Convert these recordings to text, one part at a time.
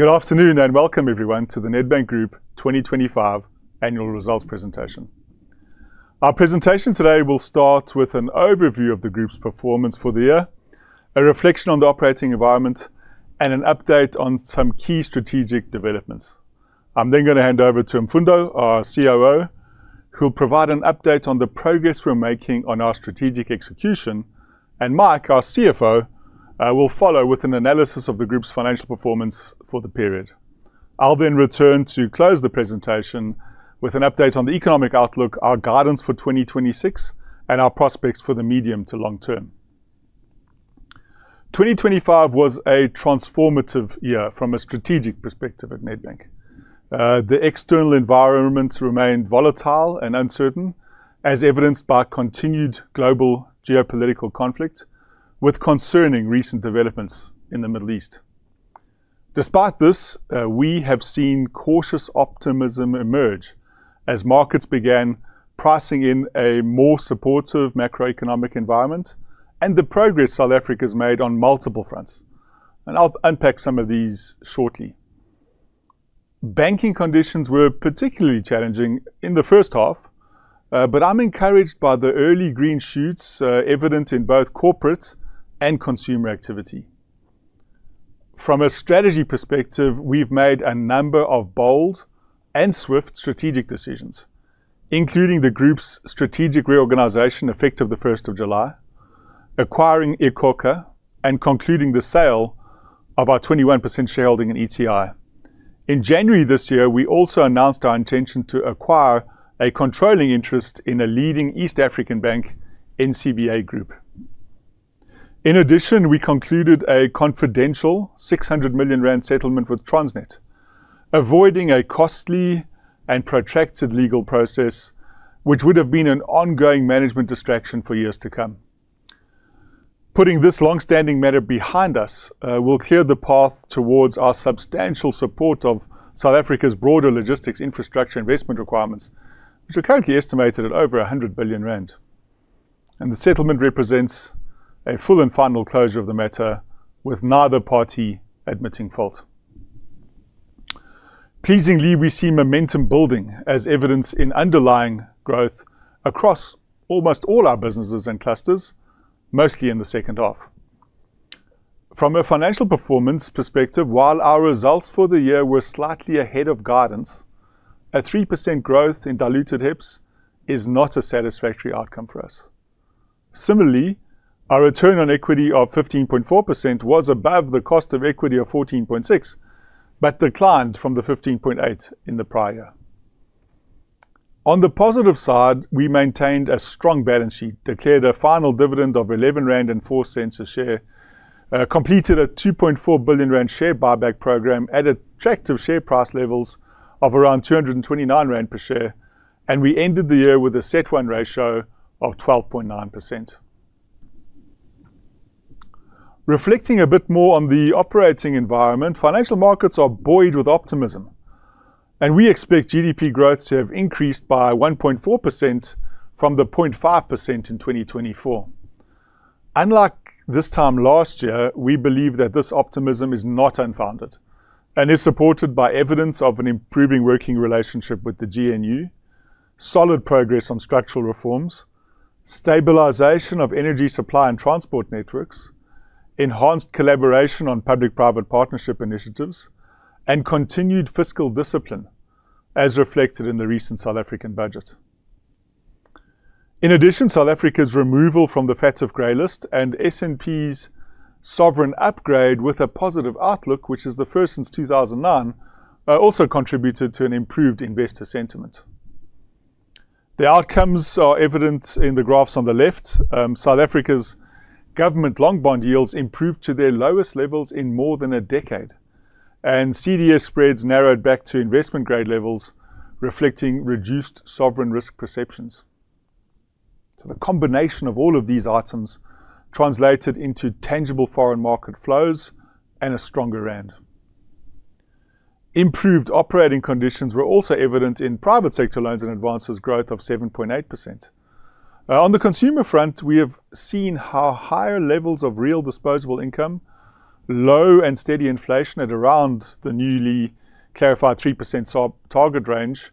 Good afternoon, welcome everyone to the Nedbank Group 2025 annual results presentation. Our presentation today will start with an overview of the group's performance for the year, a reflection on the operating environment, and an update on some key strategic developments. I'm then gonna hand over to Mfundo, our COO, who'll provide an update on the progress we're making on our strategic execution. Mike, our CFO, will follow with an analysis of the group's financial performance for the period. I'll then return to close the presentation with an update on the economic outlook, our guidance for 2026, and our prospects for the medium to long term. 2025 was a transformative year from a strategic perspective at Nedbank. The external environment remained volatile and uncertain as evidenced by continued global geopolitical conflict, with concerning recent developments in the Middle East. Despite this, we have seen cautious optimism emerge as markets began pricing in a more supportive macroeconomic environment. I'll unpack some of these shortly. Banking conditions were particularly challenging in the first half. I'm encouraged by the early green shoots, evident in both corporate and consumer activity. From a strategy perspective, we've made a number of bold and swift strategic decisions, including the group's strategic reorganization effective the 1st of July, acquiring iKhokha, and concluding the sale of our 21% shareholding in ETI. In January this year, we also announced our intention to acquire a controlling interest in a leading East African bank, NCBA Group. We concluded a confidential 600 million rand settlement with Transnet, avoiding a costly and protracted legal process, which would have been an ongoing management distraction for years to come. Putting this long-standing matter behind us will clear the path towards our substantial support of South Africa's broader logistics infrastructure investment requirements, which are currently estimated at over 100 billion rand. The settlement represents a full and final closure of the matter with neither party admitting fault. Pleasingly, we see momentum building as evidenced in underlying growth across almost all our businesses and clusters, mostly in the second half. From a financial performance perspective, while our results for the year were slightly ahead of guidance, a 3% growth in diluted HEPS is not a satisfactory outcome for us. Similarly, our return on equity of 15.4% was above the cost of equity of 14.6% but declined from the 15.8% in the prior. On the positive side, we maintained a strong balance sheet, declared a final dividend of 11.04 rand a share, completed a 2.4 billion rand share buyback program at attractive share price levels of around 229 rand per share, and we ended the year with a CET1 ratio of 12.9%. Reflecting a bit more on the operating environment, financial markets are buoyed with optimism, and we expect GDP growth to have increased by 1.4% from the 0.5% in 2024. Unlike this time last year, we believe that this optimism is not unfounded and is supported by evidence of an improving working relationship with the GNU, solid progress on structural reforms, stabilization of energy supply and transport networks, enhanced collaboration on public-private partnership initiatives, and continued fiscal discipline, as reflected in the recent South African budget. South Africa's removal from the FATF gray list and S&P's sovereign upgrade with a positive outlook, which is the first since 2009, also contributed to an improved investor sentiment. The outcomes are evident in the graphs on the left. South Africa's government long bond yields improved to their lowest levels in more than a decade, and CDS spreads narrowed back to investment grade levels, reflecting reduced sovereign risk perceptions. The combination of all of these items translated into tangible foreign market flows and a stronger rand. Improved operating conditions were also evident in private sector loans and advances growth of 7.8%. On the consumer front, we have seen how higher levels of real disposable income, low and steady inflation at around the newly clarified 3% subtarget range,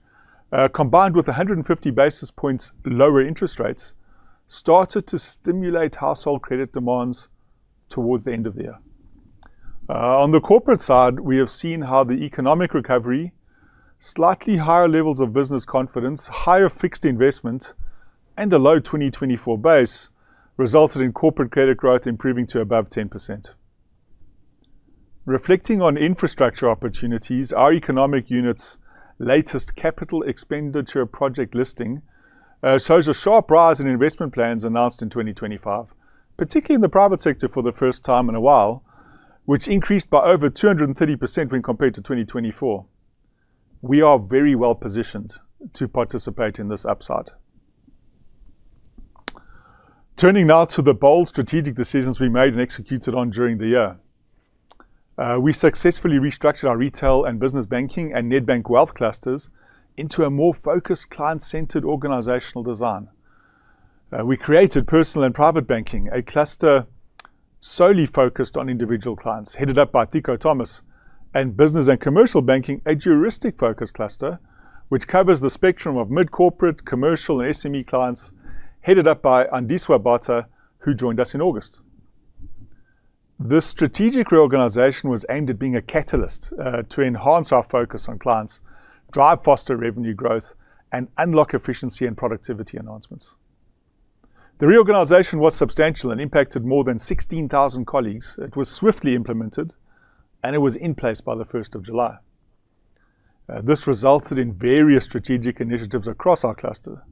combined with 150 basis points lower interest rates, started to stimulate household credit demands towards the end of the year. On the corporate side, we have seen how the economic recovery, slightly higher levels of business confidence, higher fixed investment, and a low 2024 base resulted in corporate credit growth improving to above 10%. Reflecting on infrastructure opportunities, our economic unit's latest capital expenditure project listing, shows a sharp rise in investment plans announced in 2025, particularly in the private sector for the first time in a while, which increased by over 230% when compared to 2024. We are very well positioned to participate in this upside. Turning now to the bold strategic decisions we made and executed on during the year. We successfully restructured our Retail and Business Banking and Nedbank Wealth clusters into a more focused client-centered organizational design. We created Personal and Private Banking, a cluster solely focused on individual clients headed up by Ciko Thomas, and Business and Commercial Banking, a juristic focus cluster which covers the spectrum of mid-corporate, commercial, and SME clients headed up by Andiswa Bata, who joined us in August. This strategic reorganization was aimed at being a catalyst to enhance our focus on clients, drive foster revenue growth, and unlock efficiency and productivity enhancements. The reorganization was substantial and impacted more than 16,000 colleagues. It was swiftly implemented, it was in place by the 1st of July. This resulted in various strategic initiatives across our cluster.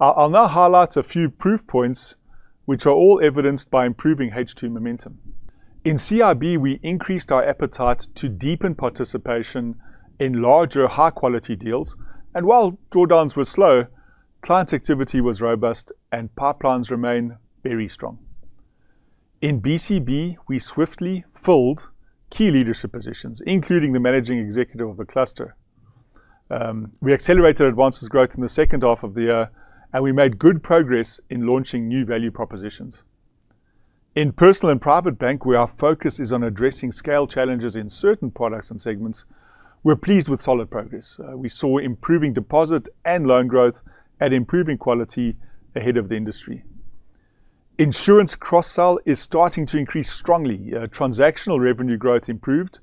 I'll now highlight a few proof points which are all evidenced by improving H2 momentum. In CIB, we increased our appetite to deepen participation in larger high-quality deals, and while drawdowns were slow, client activity was robust and pipelines remain very strong. In BCB, we swiftly filled key leadership positions, including the managing executive of the cluster. We accelerated advances growth in the second half of the year, and we made good progress in launching new value propositions. In Personal and Private Banking, where our focus is on addressing scale challenges in certain products and segments, we're pleased with solid progress. We saw improving deposit and loan growth at improving quality ahead of the industry. Insurance cross-sell is starting to increase strongly. Transactional revenue growth improved,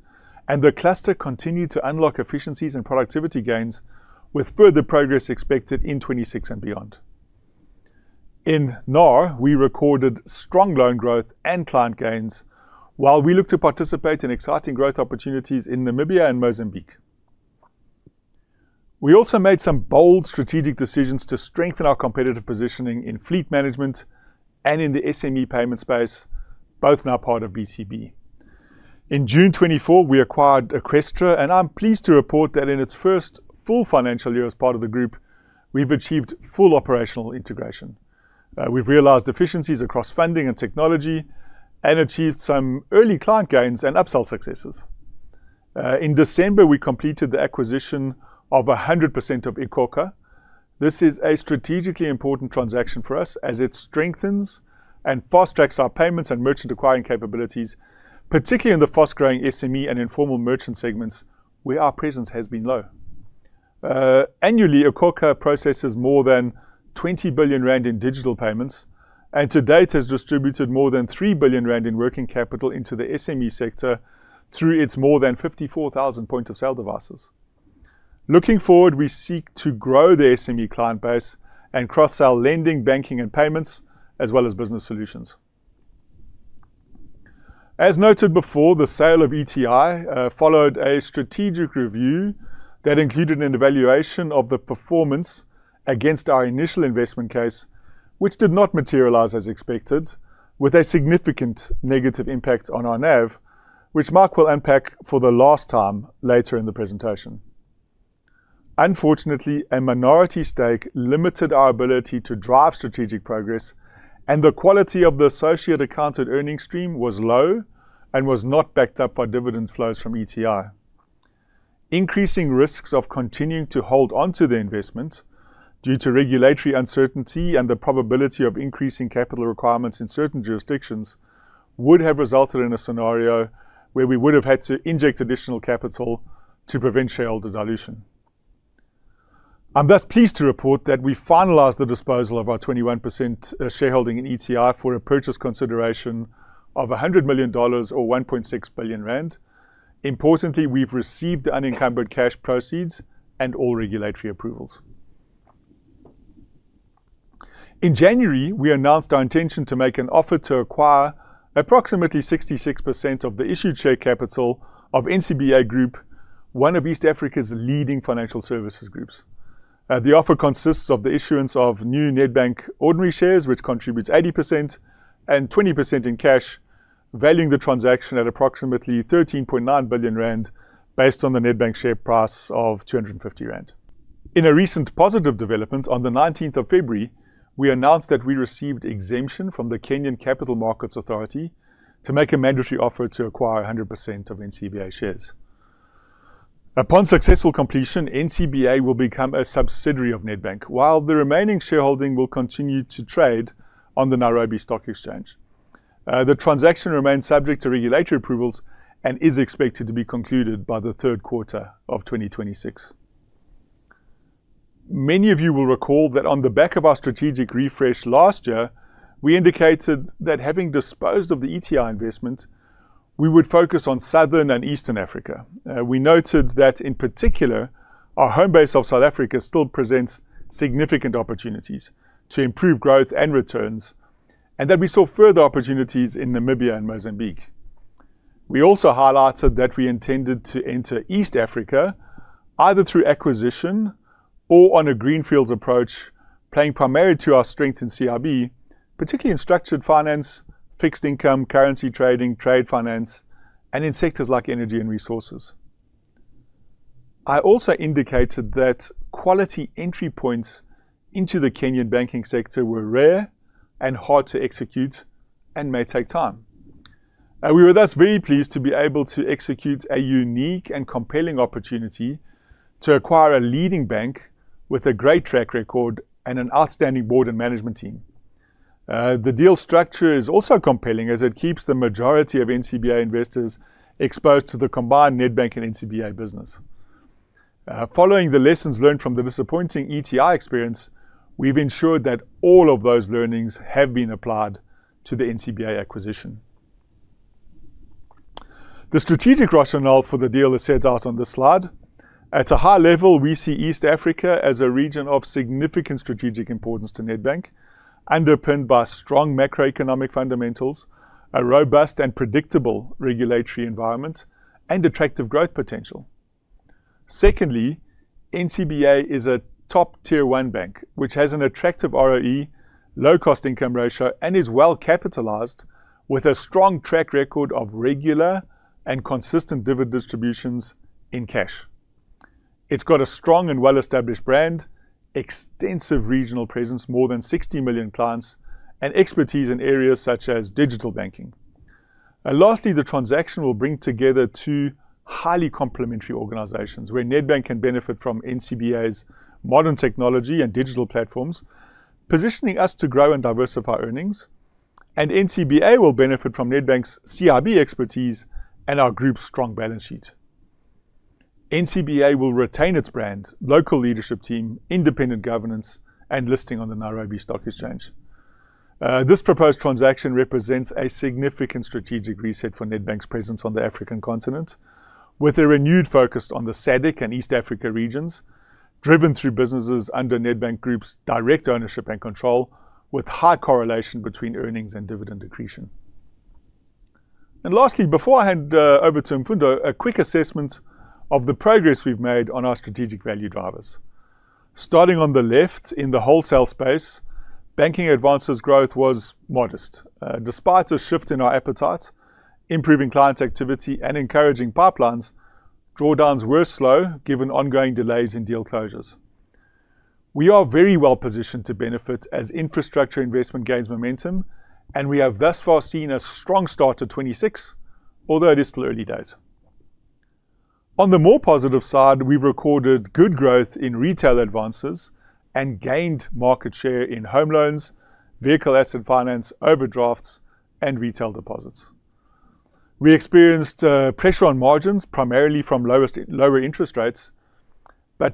the cluster continued to unlock efficiencies and productivity gains with further progress expected in 2026 and beyond. In NAR, we recorded strong loan growth and client gains while we look to participate in exciting growth opportunities in Namibia and Mozambique. We also made some bold strategic decisions to strengthen our competitive positioning in fleet management and in the SME payment space, both now part of BCB. In June 2024, we acquired Eqstra, I'm pleased to report that in its first full financial year as part of the group, we've achieved full operational integration. We've realized efficiencies across funding and technology and achieved some early client gains and upsell successes. In December, we completed the acquisition of 100% of iKhokha. This is a strategically important transaction for us as it strengthens and fast-tracks our payments and merchant acquiring capabilities, particularly in the fast-growing SME and informal merchant segments where our presence has been low. Annually, iKhokha processes more than 20 billion rand in digital payments, and to date has distributed more than 3 billion rand in working capital into the SME sector through its more than 54,000 point of sale devices. Looking forward, we seek to grow the SME client base and cross-sell lending, banking, and payments, as well as business solutions. As noted before, the sale of ETI followed a strategic review that included an evaluation of the performance against our initial investment case, which did not materialize as expected with a significant negative impact on our NAV, which Mike will unpack for the last time later in the presentation. Unfortunately, a minority stake limited our ability to drive strategic progress. The quality of the associate accounted earning stream was low and was not backed up by dividend flows from ETI. Increasing risks of continuing to hold on to the investment due to regulatory uncertainty and the probability of increasing capital requirements in certain jurisdictions would have resulted in a scenario where we would have had to inject additional capital to prevent shareholder dilution. 'm thus pleased to report that we finalized the disposal of our 21% shareholding in ETI for a purchase consideration of $100 million or 1.6 billion rand. Importantly, we've received the unencumbered cash proceeds and all regulatory approvals. In January, we announced our intention to make an offer to acquire approximately 66% of the issued share capital of NCBA Group, one of East Africa's leading financial services groups. The offer consists of the issuance of new Nedbank ordinary shares, which contributes 80% and 20% in cash, valuing the transaction at approximately 13.9 billion rand based on the Nedbank share price of 250 rand. In a recent positive development on the 19th of February, we announced that we received exemption from the Capital Markets Authority to make a mandatory offer to acquire 100% of NCBA shares. Upon successful completion, NCBA will become a subsidiary of Nedbank, while the remaining shareholding will continue to trade on the Nairobi Securities Exchange. The transaction remains subject to regulatory approvals and is expected to be concluded by the third quarter of 2026. Many of you will recall that on the back of our strategic refresh last year, we indicated that having disposed of the ETI investment, we would focus on Southern and Eastern Africa. We noted that, in particular, our home base of South Africa still presents significant opportunities to improve growth and returns and that we saw further opportunities in Namibia and Mozambique. We also highlighted that we intended to enter East Africa either through acquisition or on a greenfields approach, playing primarily to our strength in CIB, particularly in structured finance, fixed income, currency trading, trade finance, and in sectors like energy and resources. I also indicated that quality entry points into the Kenyan banking sector were rare and hard to execute and may take time. We were thus very pleased to be able to execute a unique and compelling opportunity to acquire a leading bank with a great track record and an outstanding board and management team. The deal structure is also compelling as it keeps the majority of NCBA investors exposed to the combined Nedbank and NCBA business. Following the lessons learned from the disappointing ETI experience, we've ensured that all of those learnings have been applied to the NCBA acquisition. The strategic rationale for the deal is set out on this slide. At a high level, we see East Africa as a region of significant strategic importance to Nedbank, underpinned by strong macroeconomic fundamentals, a robust and predictable regulatory environment, and attractive growth potential. Secondly, NCBA is a top tier one bank, which has an attractive ROE, low cost income ratio, and is well-capitalized with a strong track record of regular and consistent dividend distributions in cash. It's got a strong and well-established brand, extensive regional presence, more than 60 million clients, and expertise in areas such as digital banking. Lastly, the transaction will bring together two highly complementary organizations where Nedbank can benefit from NCBA's modern technology and digital platforms, positioning us to grow and diversify earnings. NCBA will benefit from Nedbank's CIB expertise and our group's strong balance sheet. NCBA will retain its brand, local leadership team, independent governance, and listing on the Nairobi Securities Exchange. This proposed transaction represents a significant strategic reset for Nedbank's presence on the African continent, with a renewed focus on the SADC and East Africa regions, driven through businesses under Nedbank Group's direct ownership and control, with high correlation between earnings and dividend accretion. Lastly, before I hand over to Mfundo, a quick assessment of the progress we've made on our strategic value drivers. Starting on the left in the wholesale space, banking advances growth was modest. Despite a shift in our appetite, improving client activity, and encouraging pipelines, drawdowns were slow given ongoing delays in deal closures. We are very well positioned to benefit as infrastructure investment gains momentum, and we have thus far seen a strong start to 2026, although it is still early days. The more positive side, we've recorded good growth in retail advances and gained market share in home loans, vehicle asset finance, overdrafts, and retail deposits. We experienced pressure on margins primarily from lower interest rates,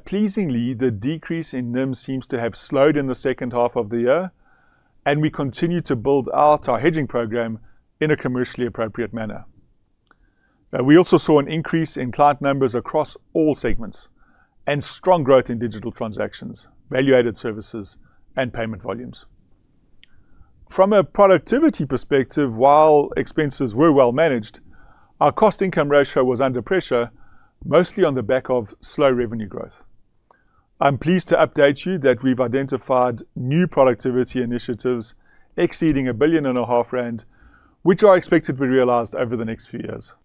pleasingly the decrease in NIM seems to have slowed in the second half of the year, we continue to build out our hedging program in a commercially appropriate manner. We also saw an increase in client numbers across all segments and strong growth in digital transactions, value-added services, and payment volumes. From a productivity perspective, while expenses were well managed, our cost income ratio was under pressure, mostly on the back of slow revenue growth. I'm pleased to update you that we've identified new productivity initiatives exceeding a billion and a half ZAR, which are expected to be realized over the next few years.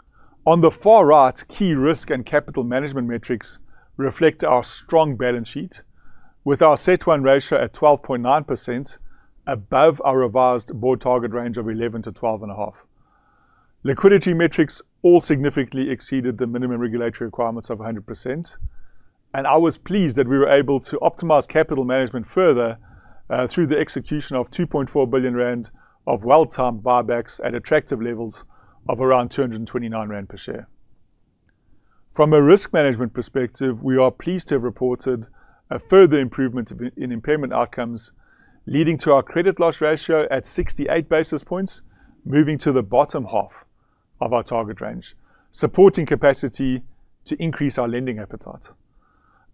On the far right, key risk and capital management metrics reflect our strong balance sheet with our CET1 ratio at 12.9% above our revised board target range of 11 to 12.5. Liquidity metrics all significantly exceeded the minimum regulatory requirements of 100%. I was pleased that we were able to optimize capital management further through the execution of 2.4 billion rand of well-timed buybacks at attractive levels of around 229 rand per share. From a risk management perspective, we are pleased to have reported a further improvement in impairment outcomes, leading to our credit loss ratio at 68 basis points, moving to the bottom half of our target range, supporting capacity to increase our lending appetite.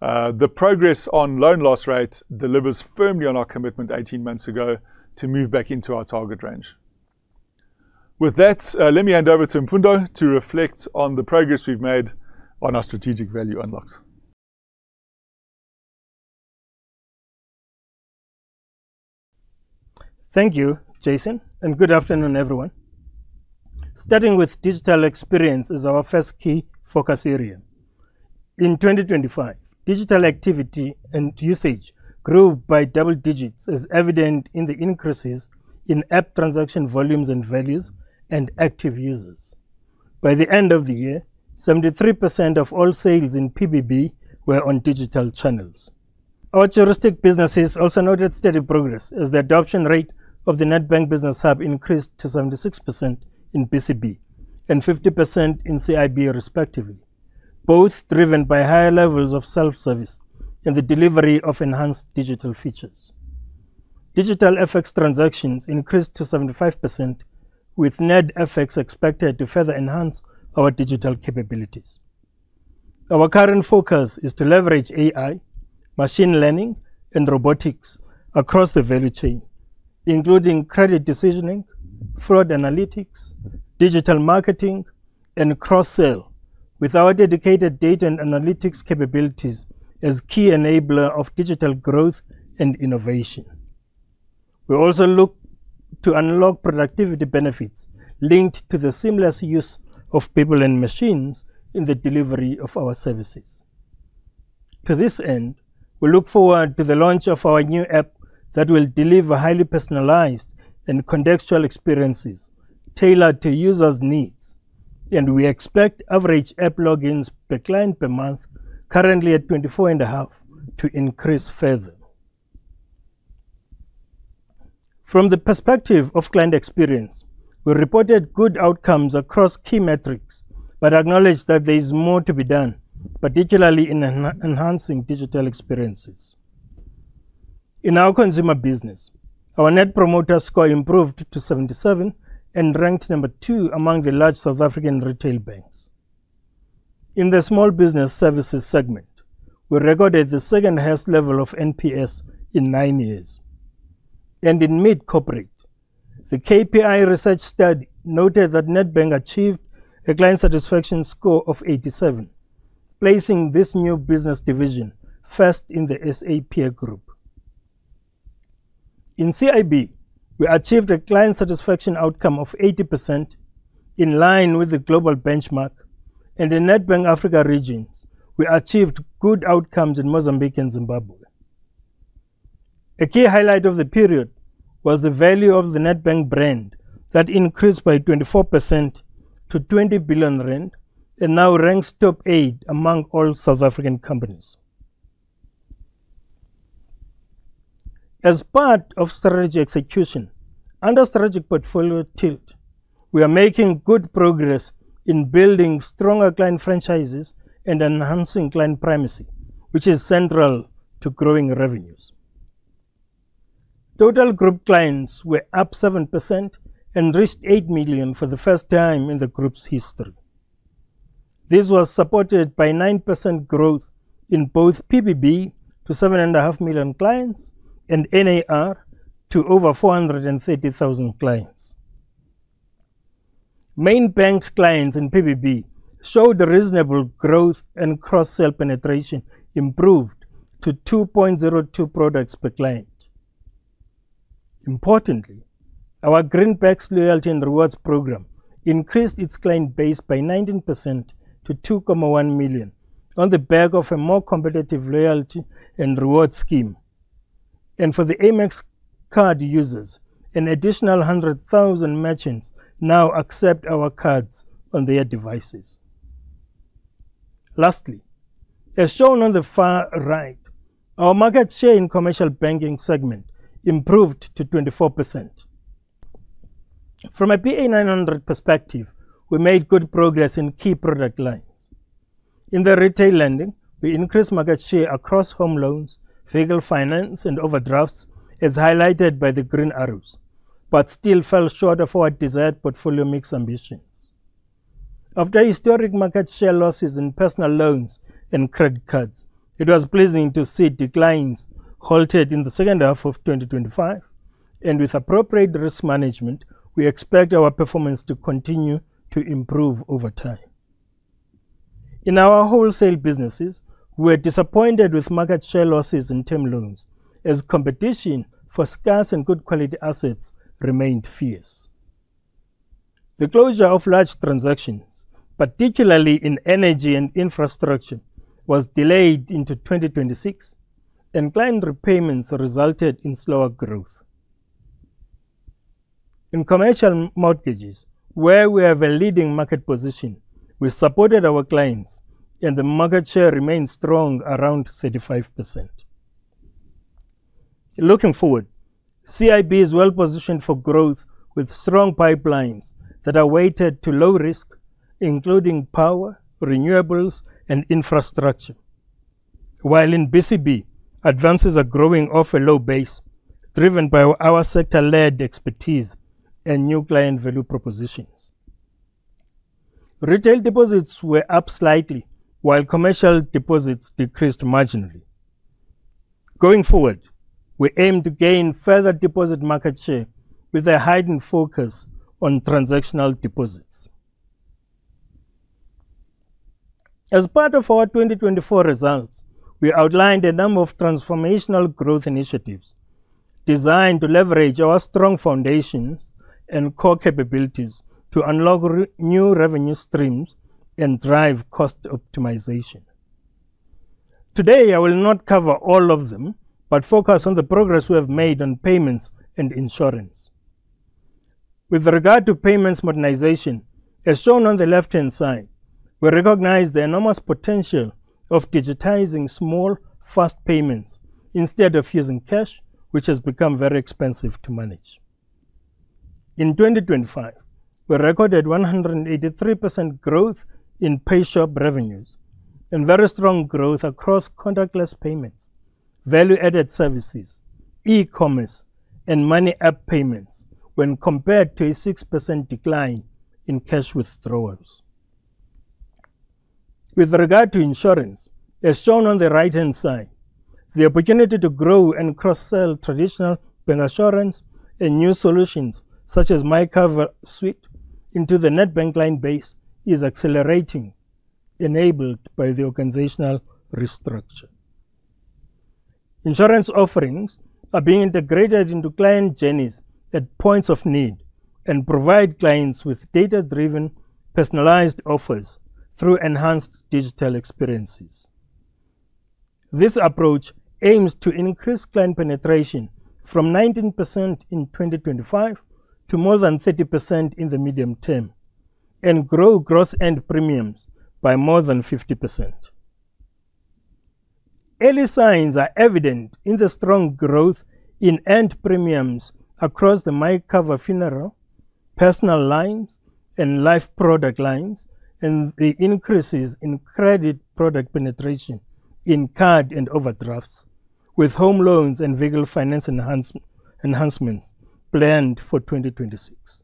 The progress on loan loss rate delivers firmly on our commitment 18 months ago to move back into our target range. With that, let me hand over to Mfundo to reflect on the progress we've made on our strategic value unlocks. Thank you, Jason, good afternoon, everyone. Starting with digital experience is our first key focus area. In 2025, digital activity and usage grew by double digits, as evident in the increases in app transaction volumes and values and active users. By the end of the year, 73% of all sales in PBB were on digital channels. Our juristic businesses also noted steady progress as the adoption rate of the Nedbank Business Hub increased to 76% in BCB and 50% in CIB, respectively, both driven by higher levels of self-service and the delivery of enhanced digital features. Digital FX transactions increased to 75%, with NedFX expected to further enhance our digital capabilities. Our current focus is to leverage AI, machine learning, and robotics across the value chain, including credit decisioning, fraud analytics, digital marketing, and cross-sell with our dedicated data and analytics capabilities as key enabler of digital growth and innovation. We also look to unlock productivity benefits linked to the seamless use of people and machines in the delivery of our services. To this end, we look forward to the launch of our new app that will deliver highly personalized and contextual experiences tailored to users' needs. We expect average app logins per client per month currently at 24.5 to increase further. From the perspective of client experience, we reported good outcomes across key metrics, but acknowledge that there is more to be done, particularly in enhancing digital experiences. In our consumer business, our Net Promoter Score improved to 77 and ranked number two among the large South African retail banks. In the small business services segment, we recorded the second highest level of NPS in 9 years. In mid-corporate, the KPI Research study noted that Nedbank achieved a client satisfaction score of 87, placing this new business division first in the SAP group. In CIB, we achieved a client satisfaction outcome of 80% in line with the global benchmark. In Nedbank Africa Regions, we achieved good outcomes in Mozambique and Zimbabwe. A key highlight of the period was the value of the Nedbank brand that increased by 24% to 20 billion rand and now ranks top eight among all South African companies. As part of strategy execution under strategic portfolio tilt, we are making good progress in building stronger client franchises and enhancing client primacy, which is central to growing revenues. Total group clients were up 7% and reached 8 million for the first time in the group's history. This was supported by 9% growth in both PBB to 7.5 million clients and NAR to over 430,000 clients. Main bank clients in PBB showed reasonable growth and cross-sell penetration improved to 2.02 products per client. Importantly, our Greenbacks loyalty and rewards program increased its client base by 19% to 2.1 million on the back of a more competitive loyalty and reward scheme. For the Amex card users, an additional 100,000 merchants now accept our cards on their devices. As shown on the far right, our market share in commercial banking segment improved to 24%. From a PA 900 perspective, we made good progress in key product lines. In the retail lending, we increased market share across home loans, vehicle finance, and overdrafts as highlighted by the green arrows, but still fell short of our desired portfolio mix ambition. After historic market share losses in personal loans and credit cards, it was pleasing to see declines halted in the second half of 2025. With appropriate risk management, we expect our performance to continue to improve over time. In our wholesale businesses, we are disappointed with market share losses in term loans as competition for scarce and good quality assets remained fierce. The closure of large transactions, particularly in energy and infrastructure, was delayed into 2026 and client repayments resulted in slower growth. In commercial mortgages, where we have a leading market position, we supported our clients and the market share remains strong around 35%. Looking forward, CIB is well positioned for growth with strong pipelines that are weighted to low risk, including power, renewables, and infrastructure. While in BCB, advances are growing off a low base driven by our sector-led expertise and new client value propositions. Retail deposits were up slightly while commercial deposits decreased marginally. Going forward, we aim to gain further deposit market share with a heightened focus on transactional deposits. As part of our 2024 results, we outlined a number of transformational growth initiatives designed to leverage our strong foundation and core capabilities to unlock new revenue streams and drive cost optimization. Today, I will not cover all of them, but focus on the progress we have made on payments and insurance. With regard to payments modernization, as shown on the left-hand side, we recognize the enormous potential of digitizing small, fast payments instead of using cash, which has become very expensive to manage. In 2025, we recorded 183% growth in PayShap revenues and very strong growth across contactless payments, value-added services, e-commerce, and Money app payments when compared to a 6% decline in cash withdrawals. With regard to insurance, as shown on the right-hand side, the opportunity to grow and cross-sell traditional bancassurance and new solutions such as MyCover Suite into the Nedbank client base is accelerating, enabled by the organizational restructure. Insurance offerings are being integrated into client journeys at points of need and provide clients with data-driven personalized offers through enhanced digital experiences. This approach aims to increase client penetration from 19% in 2025 to more than 30% in the medium term and grow gross end premiums by more than 50%. Early signs are evident in the strong growth in end premiums across the MyCover Funeral, personal lines and life product lines, and the increases in credit product penetration in card and overdrafts with home loans and vehicle finance enhancements planned for 2026.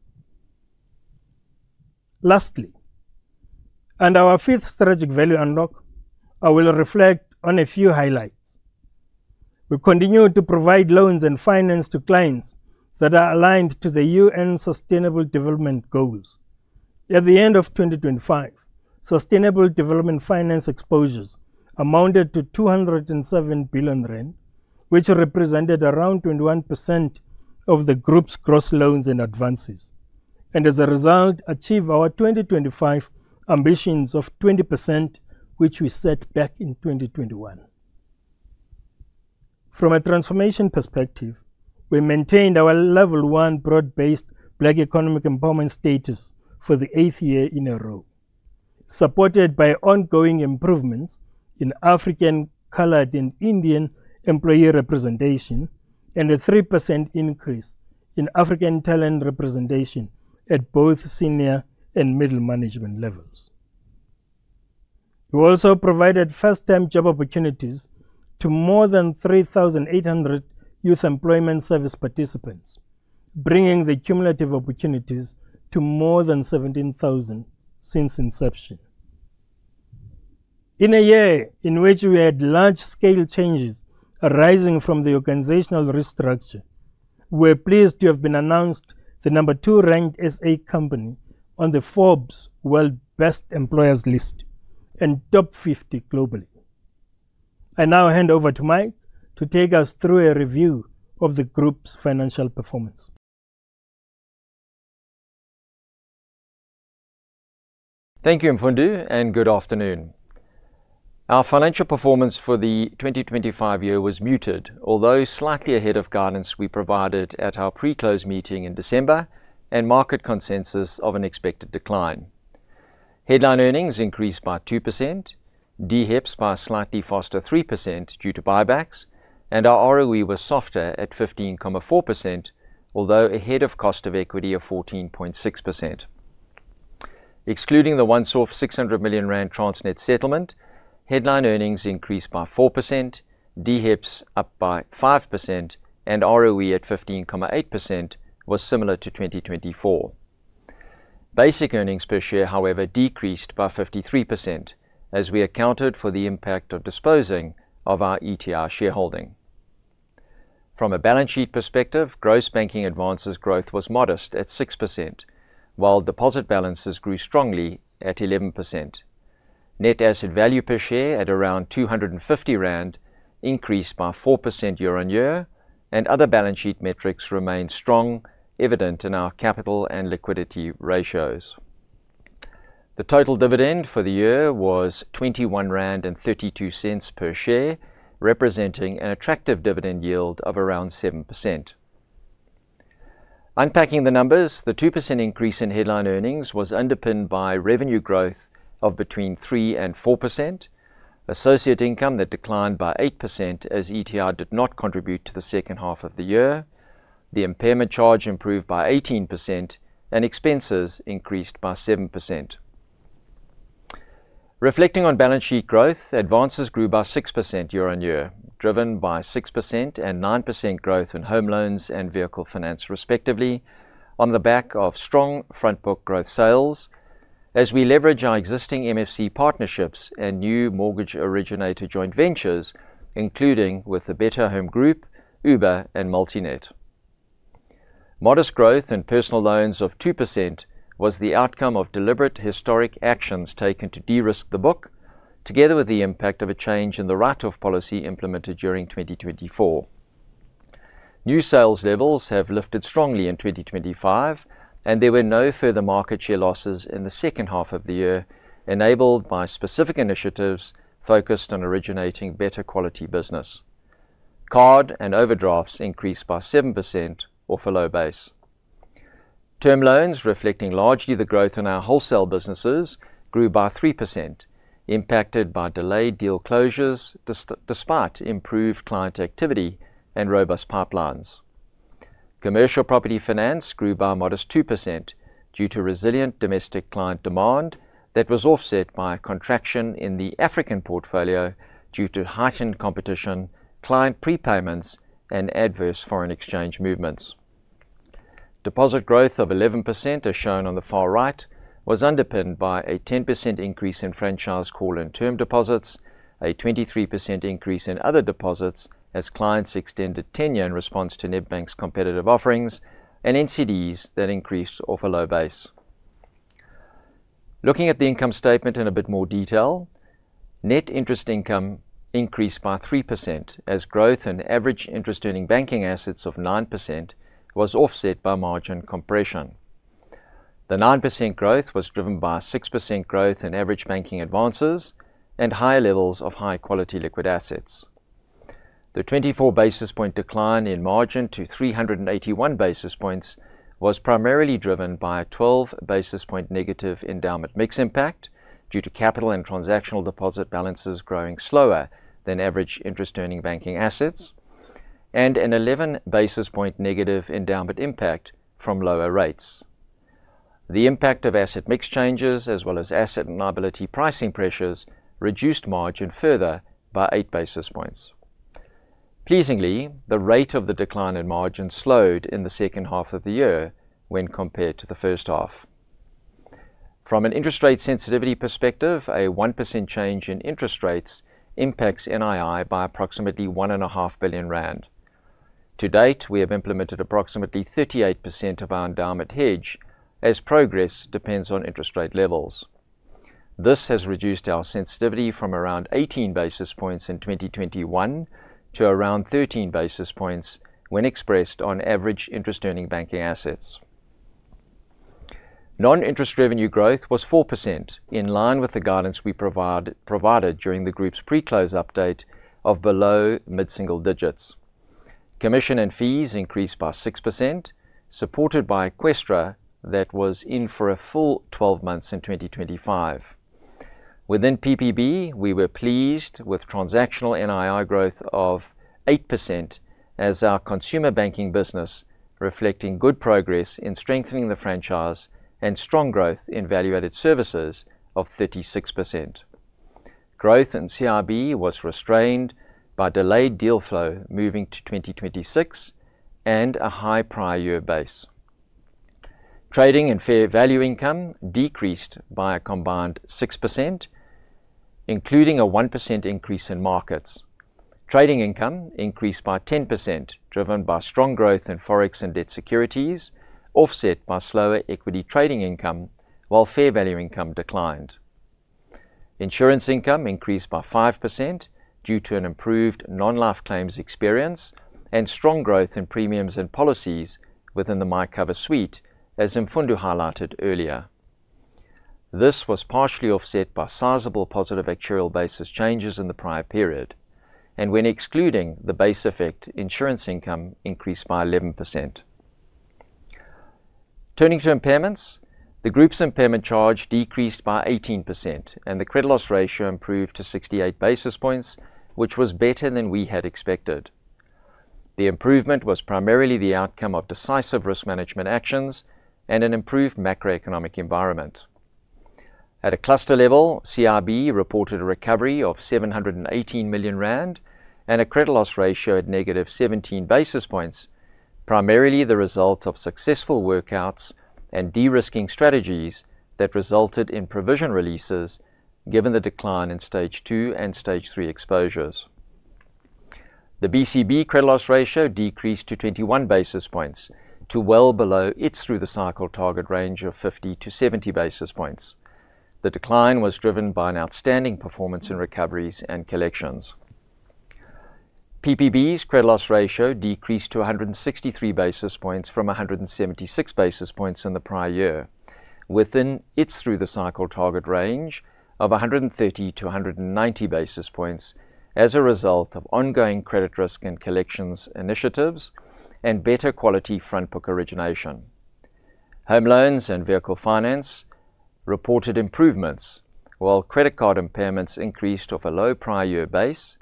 Lastly, our fifth strategic value unlock, I will reflect on a few highlights. We continue to provide loans and finance to clients that are aligned to the UN Sustainable Development Goals. At the end of 2025, sustainable development finance exposures amounted to 207 billion rand, which represented around 21% of the group's gross loans and advances, and as a result achieve our 2025 ambitions of 20% which we set back in 2021. From a transformation perspective, we maintained our level one Broad-Based Black Economic Empowerment status for the eighth year in a row, supported by ongoing improvements in African, colored and Indian employee representation and a 3% increase in African talent representation at both senior and middle management levels. We also provided first time job opportunities to more than 3,800 Youth Employment Service participants, bringing the cumulative opportunities to more than 17,000 since inception. In a year in which we had large scale changes arising from the organizational restructure, we're pleased to have been announced the number two ranked SA company on the Forbes World's Best Employers list and top 50 globally. I now hand over to Mike to take us through a review of the group's financial performance. Thank you, Mfundo. Good afternoon. Our financial performance for the 2025 year was muted, although slightly ahead of guidance we provided at our pre-close meeting in December and market consensus of an expected decline. Headline earnings increased by 2%, DHEPS by a slightly faster 3% due to buybacks. Our ROE was softer at 15.4%, although ahead of cost of equity of 14.6%. Excluding the once-off 600 million rand Transnet settlement, headline earnings increased by 4%, DHEPS up by 5%. ROE at 15.8% was similar to 2024. Basic earnings per share, however, decreased by 53% as we accounted for the impact of disposing of our ETI shareholding. From a balance sheet perspective, gross banking advances growth was modest at 6%, while deposit balances grew strongly at 11%. Net asset value per share at around 250 rand increased by 4% year-on-year, and other balance sheet metrics remained strong, evident in our capital and liquidity ratios. The total dividend for the year was 21.32 rand per share, representing an attractive dividend yield of around 7%. Unpacking the numbers, the 2% increase in headline earnings was underpinned by revenue growth of between 3%-4%, associate income that declined by 8% as ETI did not contribute to the second half of the year. The impairment charge improved by 18% and expenses increased by 7%. Reflecting on balance sheet growth, advances grew by 6% year-on-year, driven by 6% and 9% growth in home loans and vehicle finance, respectively, on the back of strong front book growth sales as we leverage our existing MFC partnerships and new mortgage originator joint ventures, including with BetterHome Group, ooba and MultiNET. Modest growth in personal loans of 2% was the outcome of deliberate historic actions taken to de-risk the book, together with the impact of a change in the write-off policy implemented during 2024. New sales levels have lifted strongly in 2025. There were no further market share losses in the second half of the year, enabled by specific initiatives focused on originating better quality business. Card and overdrafts increased by 7% off a low base. Term loans reflecting largely the growth in our wholesale businesses grew by 3%, impacted by delayed deal closures despite improved client activity and robust pipelines. Commercial property finance grew by a modest 2% due to resilient domestic client demand that was offset by a contraction in the African portfolio due to heightened competition, client prepayments and adverse foreign exchange movements. Deposit growth of 11%, as shown on the far right, was underpinned by a 10% increase in franchise call and term deposits, a 23% increase in other deposits as clients extended tenure in response to Nedbank's competitive offerings, and NCDs that increased off a low base. Looking at the income statement in a bit more detail, net interest income increased by 3% as growth in average interest earning banking assets of 9% was offset by margin compression. The 9% growth was driven by 6% growth in average banking advances and higher levels of high-quality liquid assets. The 24 basis point decline in margin to 381 basis points was primarily driven by a 12 basis point negative endowment mix impact due to capital and transactional deposit balances growing slower than average interest earning banking assets and an 11 basis point negative endowment impact from lower rates. The impact of asset mix changes as well as asset and liability pricing pressures reduced margin further by 8 basis points. Pleasingly, the rate of the decline in margin slowed in the second half of the year when compared to the first half. From an interest rate sensitivity perspective, a 1% change in interest rates impacts NII by approximately one and a half billion rand. To date, we have implemented approximately 38% of our endowment hedge as progress depends on interest rate levels. This has reduced our sensitivity from around 18 basis points in 2021 to around 13 basis points when expressed on average interest earning banking assets. Non-interest revenue growth was 4% in line with the guidance we provided during the group's pre-close update of below mid-single digits. Commission and fees increased by 6% supported by Eqstra that was in for a full 12 months in 2025. Within PPB, we were pleased with transactional NII growth of 8% as our consumer banking business reflecting good progress in strengthening the franchise and strong growth in value-added services of 36%. Growth in CIB was restrained by delayed deal flow moving to 2026 and a high prior year base. Trading and fair value income decreased by a combined 6%, including a 1% increase in markets. Trading income increased by 10% driven by strong growth in Forex and debt securities offset by slower equity trading income while fair value income declined. Insurance income increased by 5% due to an improved non-life claims experience and strong growth in premiums and policies within the MyCover Suite, as Mfundu highlighted earlier. This was partially offset by sizable positive actuarial-basis changes in the prior period, and when excluding the base effect, insurance income increased by 11%. Turning to impairments, the group's impairment charge decreased by 18%, and the credit loss ratio improved to 68 basis points, which was better than we had expected. The improvement was primarily the outcome of decisive risk management actions and an improved macroeconomic environment. At a cluster level, CIB reported a recovery of 718 million rand and a credit loss ratio at -17 basis points, primarily the result of successful workouts and de-risking strategies that resulted in provision releases given the decline in stage two and stage three exposures. The BCB credit loss ratio decreased to 21 basis points to well below its through-the-cycle target range of 50-70 basis points. The decline was driven by an outstanding performance in recoveries and collections. PBB's credit loss ratio decreased to 163 basis points from 176 basis points in the prior year within its through-the-cycle target range of 130-190 basis points as a result of ongoing credit risk and collections initiatives and better quality front book origination. Home loans and vehicle finance reported improvements, while credit card impairments increased off a low prior year base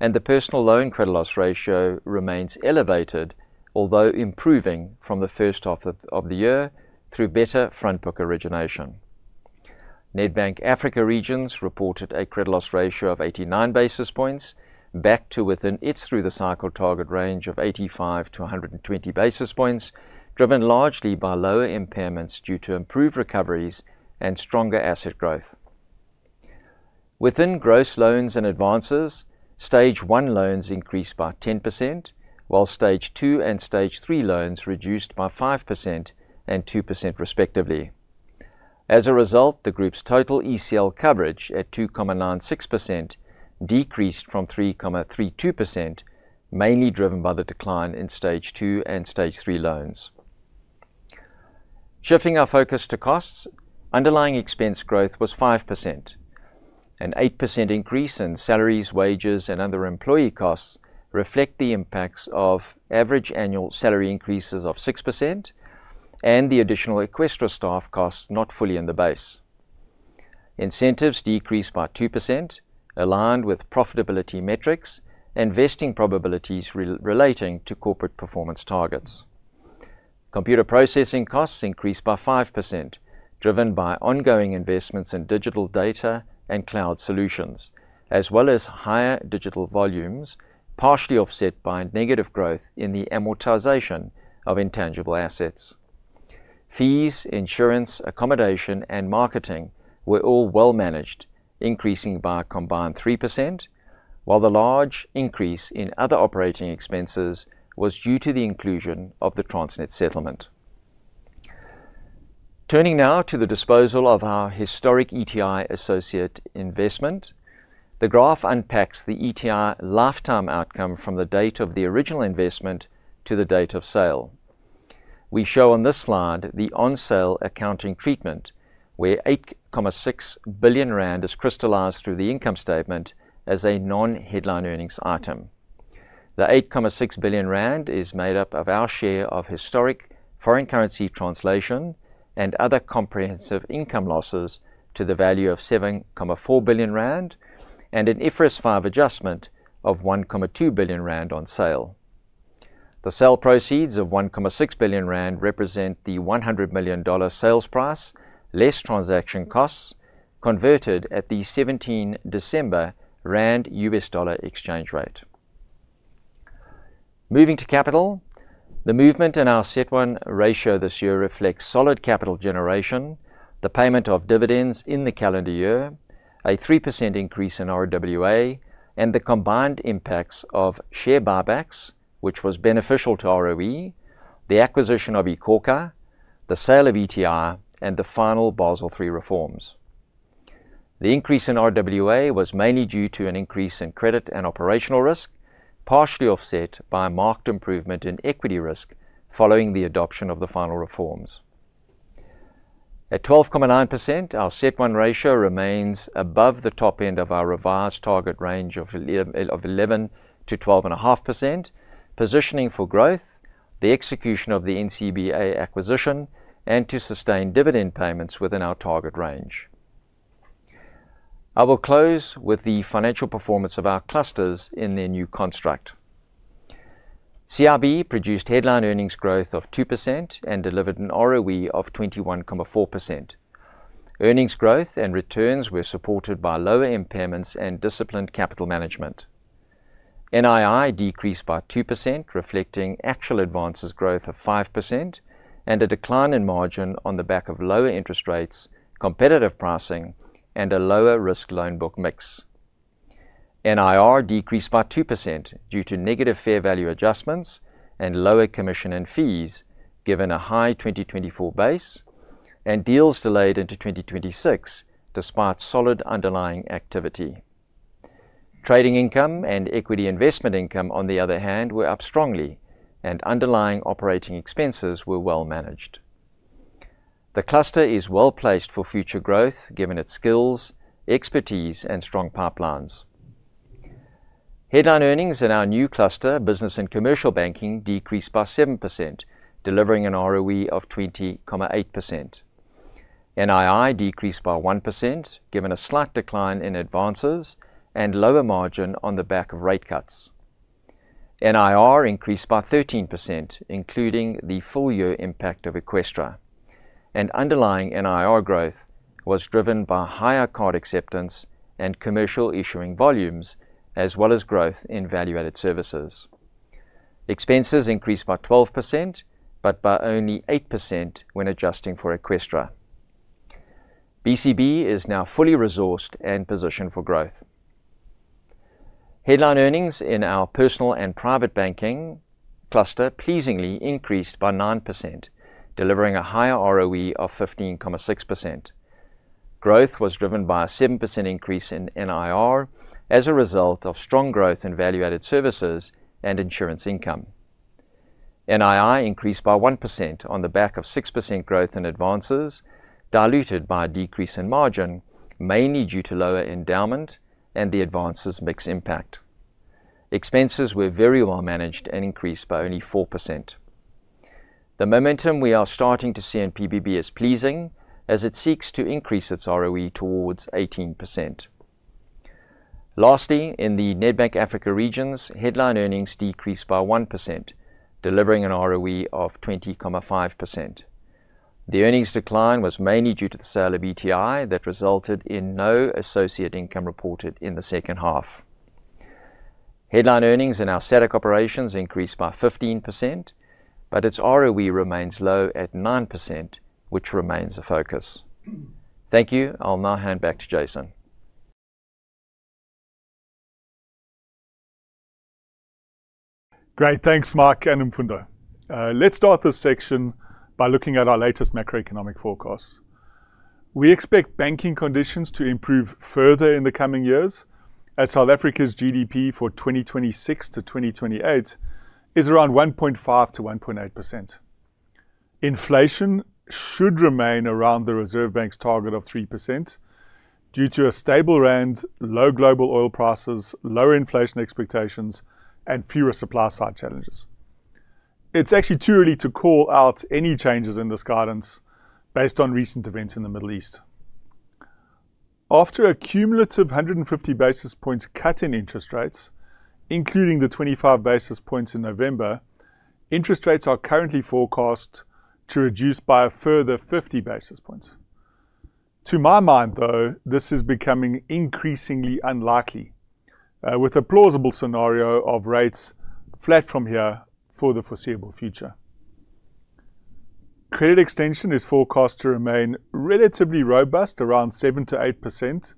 and the personal loan credit loss ratio remains elevated although improving from the first half of the year through better front book origination. Nedbank Africa Regions reported a credit loss ratio of 89 basis points back to within its through-the-cycle target range of 85-120 basis points, driven largely by lower impairments due to improved recoveries and stronger asset growth. Within gross loans and advances, stage one loans increased by 10%, while stage two and stage three loans reduced by 5% and 2% respectively. As a result, the group's total ECL coverage at 2.96% decreased from 3.32%, mainly driven by the decline in stage two and stage three loans. Shifting our focus to costs, underlying expense growth was 5%. An 8% increase in salaries, wages, and other employee costs reflect the impacts of average annual salary increases of 6% and the additional Eqstra staff costs not fully in the base. Incentives decreased by 2%, aligned with profitability metrics and vesting probabilities re-relating to corporate performance targets. Computer processing costs increased by 5%, driven by ongoing investments in digital data and cloud solutions, as well as higher digital volumes, partially offset by negative growth in the amortization of intangible assets. Fees, insurance, accommodation, and marketing were all well managed, increasing by a combined 3%. The large increase in other operating expenses was due to the inclusion of the Transnet settlement. Turning now to the disposal of our historic ETI associate investment, the graph unpacks the ETI lifetime outcome from the date of the original investment to the date of sale. We show on this slide the on-sale accounting treatment, where 8.6 billion rand is crystallized through the income statement as a non-headline earnings item. The 8.6 billion rand is made up of our share of historic foreign currency translation and other comprehensive income losses to the value of 7.4 billion rand and an IFRS 5 adjustment of 1.2 billion rand on sale. The sale proceeds of 1.6 billion rand represent the $100 million sales price, less transaction costs converted at the 17 December rand-U.S. dollar exchange rate. Moving to capital, the movement in our CET1 ratio this year reflects solid capital generation, the payment of dividends in the calendar year, a 3% increase in RWA, and the combined impacts of share buybacks, which was beneficial to ROE, the acquisition of iKhokha, the sale of ETI, and the final Basel III reforms. The increase in RWA was mainly due to an increase in credit and operational risk, partially offset by a marked improvement in equity risk following the adoption of the final reforms. At 12.9%, our CET1 ratio remains above the top end of our revised target range of 11%-12.5%, positioning for growth, the execution of the NCBA acquisition, and to sustain dividend payments within our target range. I will close with the financial performance of our clusters in their new construct. CIB produced headline earnings growth of 2% and delivered an ROE of 21.4%. Earnings growth and returns were supported by lower impairments and disciplined capital management. NII decreased by 2%, reflecting actual advances growth of 5% and a decline in margin on the back of lower interest rates, competitive pricing, and a lower risk loan book mix. NIR decreased by 2% due to negative fair value adjustments and lower commission and fees, given a high 2024 base and deals delayed into 2026 despite solid underlying activity. Trading income and equity investment income, on the other hand, were up strongly and underlying operating expenses were well managed. The cluster is well-placed for future growth given its skills, expertise, and strong pipelines. Headline earnings in our new cluster, Business and Commercial Banking, decreased by 7%, delivering an ROE of 20.8%. NII decreased by 1% given a slight decline in advances and lower margin on the back of rate cuts. NIR increased by 13%, including the full year impact of Eqstra. Underlying NIR growth was driven by higher card acceptance and commercial issuing volumes as well as growth in value-added services. Expenses increased by 12%, by only 8% when adjusting for Eqstra. BCB is now fully resourced and positioned for growth. Headline earnings in our Personal and Private Banking cluster pleasingly increased by 9%, delivering a higher ROE of 15.6%. Growth was driven by a 7% increase in NIR as a result of strong growth in value-added services and insurance income. NII increased by 1% on the back of 6% growth in advances diluted by a decrease in margin, mainly due to lower endowment and the advances mix impact. Expenses were very well managed and increased by only 4%. The momentum we are starting to see in PBB is pleasing as it seeks to increase its ROE towards 18%. Lastly, in the Nedbank Africa Regions, headline earnings decreased by 1%, delivering an ROE of 20.5%. The earnings decline was mainly due to the sale of ETI that resulted in no associate income reported in the second half. Headline earnings in our static operations increased by 15%, but its ROE remains low at 9%, which remains a focus. Thank you. I'll now hand back to Jason. Great. Thanks, Mike and Mfundo. Let's start this section by looking at our latest macroeconomic forecasts. We expect banking conditions to improve further in the coming years as South Africa's GDP for 2026-2028 is around 1.5%-1.8%. Inflation should remain around the Reserve Bank's target of 3% due to a stable rand, low global oil prices, lower inflation expectations, and fewer supply side challenges. It's actually too early to call out any changes in this guidance based on recent events in the Middle East. After a cumulative 150 basis points cut in interest rates, including the 25 basis points in November, interest rates are currently forecast to reduce by a further 50 basis points. To my mind, though, this is becoming increasingly unlikely, with a plausible scenario of rates flat from here for the foreseeable future. Credit extension is forecast to remain relatively robust around 7%-8%,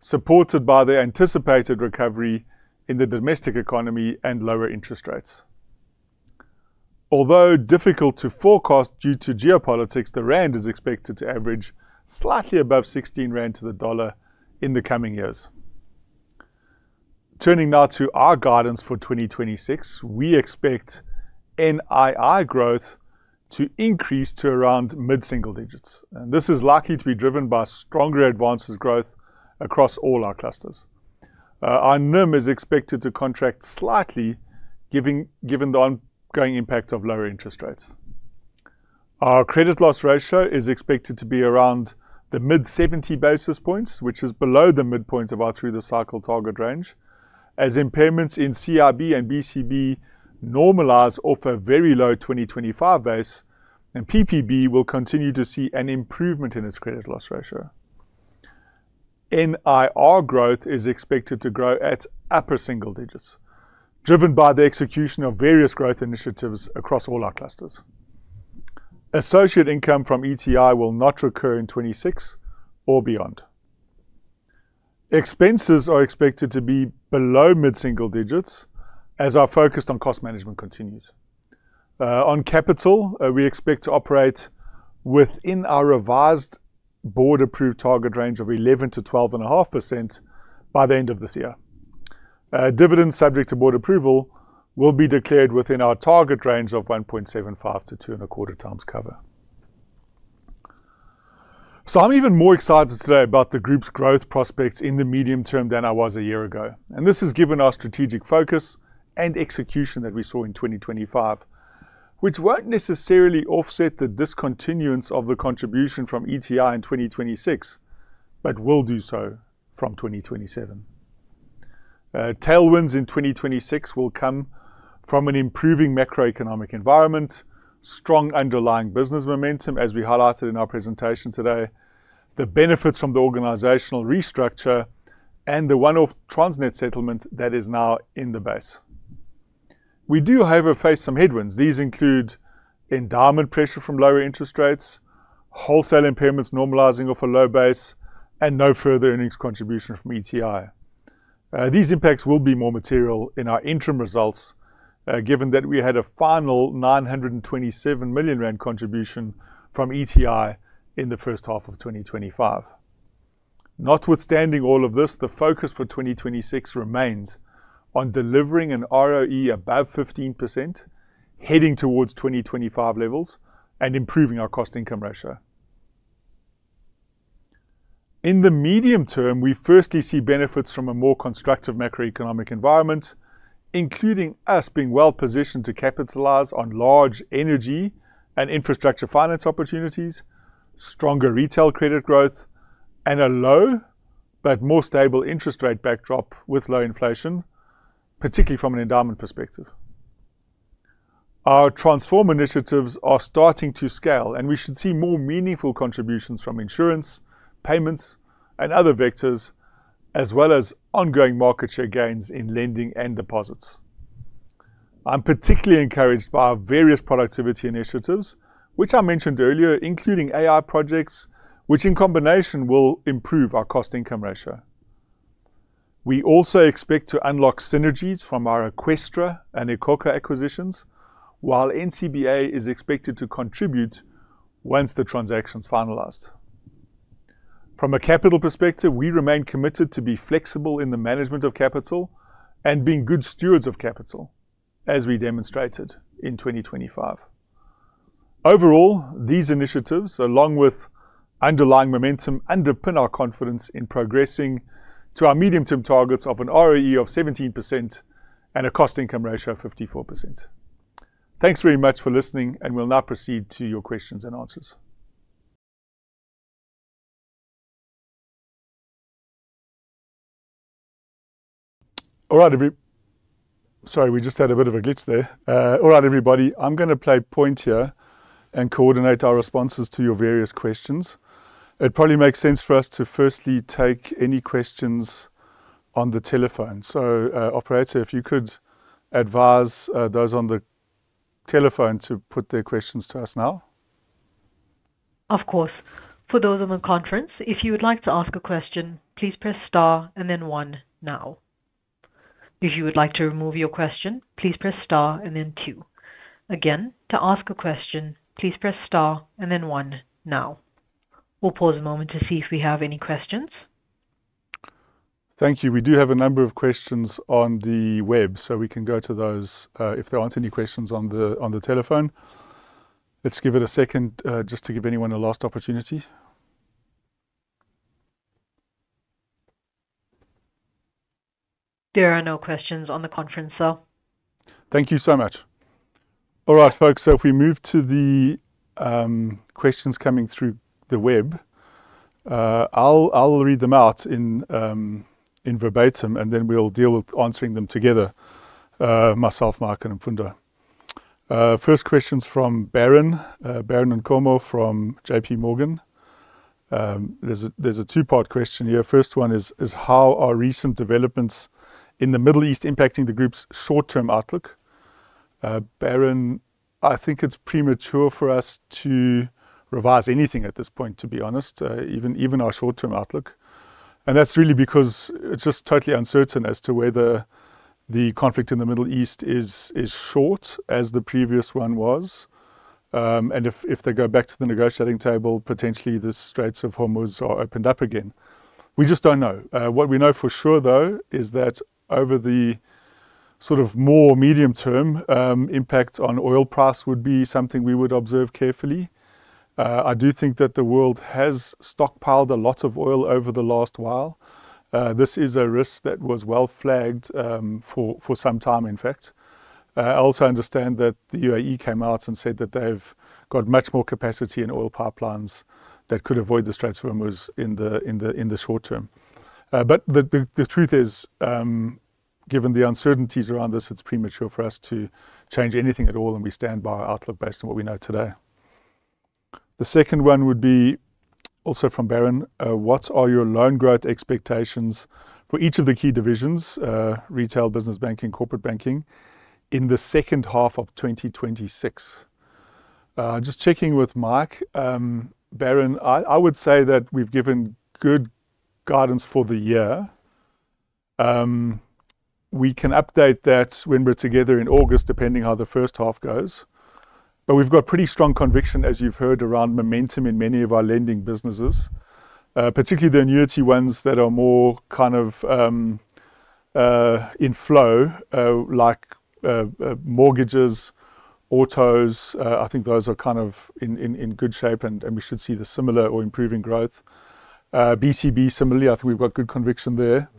supported by the anticipated recovery in the domestic economy and lower interest rates. Although difficult to forecast due to geopolitics, the rand is expected to average slightly above 16 rand to the dollar in the coming years. Turning now to our guidance for 2026, we expect NII growth to increase to around mid-single digits. This is likely to be driven by stronger advances growth across all our clusters. Our NIM is expected to contract slightly given the ongoing impact of lower interest rates. Our credit loss ratio is expected to be around the mid-70 basis points, which is below the midpoint of our through the cycle target range. Impairments in CIB and BCB normalize off a very low 2025 base, PPB will continue to see an improvement in its credit loss ratio. NIR growth is expected to grow at upper single digits, driven by the execution of various growth initiatives across all our clusters. Associate income from ETI will not recur in 2026 or beyond. Expenses are expected to be below mid-single digits as our focus on cost management continues. On capital, we expect to operate within our revised board-approved target range of 11%-12.5% by the end of this year. Dividends subject to board approval will be declared within our target range of 1.75 to 2.25 times cover. I'm even more excited today about the group's growth prospects in the medium term than I was a year ago, and this has given our strategic focus and execution that we saw in 2025, which won't necessarily offset the discontinuance of the contribution from ETI in 2026, but will do so from 2027. Tailwinds in 2026 will come from an improving macroeconomic environment, strong underlying business momentum, as we highlighted in our presentation today, the benefits from the organizational restructure, and the one-off Transnet settlement that is now in the base. We do, however, face some headwinds. These include endowment pressure from lower interest rates, wholesale impairments normalizing off a low base, and no further earnings contribution from ETI. These impacts will be more material in our interim results, given that we had a final 927 million rand contribution from ETI in the first half of 2025. Notwithstanding all of this, the focus for 2026 remains on delivering an ROE above 15%, heading towards 2025 levels and improving our cost income ratio. In the medium term, we firstly see benefits from a more constructive macroeconomic environment, including us being well positioned to capitalize on large energy and infrastructure finance opportunities, stronger retail credit growth, and a low but more stable interest rate backdrop with low inflation, particularly from an endowment perspective. Our transform initiatives are starting to scale, and we should see more meaningful contributions from insurance, payments and other vectors, as well as ongoing market share gains in lending and deposits. I'm particularly encouraged by our various productivity initiatives, which I mentioned earlier, including AI projects, which in combination will improve our cost income ratio. We also expect to unlock synergies from our Eqstra and iKhokha acquisitions, while NCBA is expected to contribute once the transaction's finalized. From a capital perspective, we remain committed to be flexible in the management of capital and being good stewards of capital, as we demonstrated in 2025. These initiatives, along with underlying momentum, underpin our confidence in progressing to our medium-term targets of an ROE of 17% and a cost income ratio of 54%. Thanks very much for listening. We'll now proceed to your questions and answers. Sorry, we just had a bit of a glitch there. Everybody, I'm gonna play point here and coordinate our responses to your various questions. It probably makes sense for us to firstly take any questions on the telephone. Operator, if you could advise those on the telephone to put their questions to us now. Of course. For those on the conference, if you would like to ask a question, please press star and then one now. If you would like to remove your question, please press star and then two. To ask a question, please press star and then one now. We'll pause a moment to see if we have any questions. Thank you. We do have a number of questions on the web, so we can go to those, if there aren't any questions on the telephone. Let's give it a second, just to give anyone a last opportunity. There are no questions on the conference, sir. Thank you so much. All right, folks, if we move to the questions coming through the web, I'll read them out in verbatim, and then we'll deal with answering them together, myself, Mike, and Mfundo Nkuhlu. First question is from Baron Nkomo from JPMorgan. There's a two-part question here. First one is how are recent developments in the Middle East impacting the group's short-term outlook? Baron, I think it's premature for us to revise anything at this point, to be honest, even our short-term outlook. That's really because it's just totally uncertain as to whether the conflict in the Middle East is short as the previous one was. If they go back to the negotiating table, potentially the Straits of Hormuz are opened up again. We just don't know. What we know for sure though is that over the sort of more medium term, impact on oil price would be something we would observe carefully. I do think that the world has stockpiled a lot of oil over the last while. This is a risk that was well flagged for some time, in fact. I also understand that the UAE came out and said that they've got much more capacity in oil pipelines that could avoid the Straits of Hormuz in the short term. The truth is, given the uncertainties around this, it's premature for us to change anything at all, and we stand by our outlook based on what we know today. The second one would be also from Baron. What are your loan growth expectations for each of the key divisions, retail business banking, corporate banking, in the second half of 2026? Just checking with Mike. Baron, I would say that we've given good guidance for the year. We can update that when we're together in August, depending how the first half goes. We've got pretty strong conviction, as you've heard, around momentum in many of our lending businesses, particularly the annuity ones that are more kind of in flow, like mortgages, autos, I think those are kind of in good shape, and we should see the similar or improving growth. BCB, similarly, I think we've got good conviction there.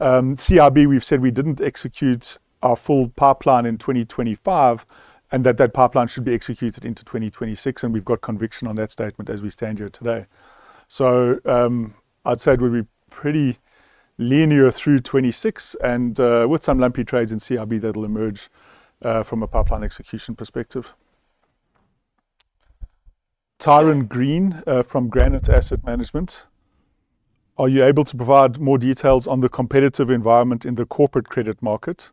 CRB, we've said we didn't execute our full pipeline in 2025 and that that pipeline should be executed into 2026, and we've got conviction on that statement as we stand here today. I'd say we'd be pretty linear through 2026 and with some lumpy trades in CRB that'll emerge from a pipeline execution perspective. Tyron Green, from Granate Asset Management. Are you able to provide more details on the competitive environment in the corporate credit market?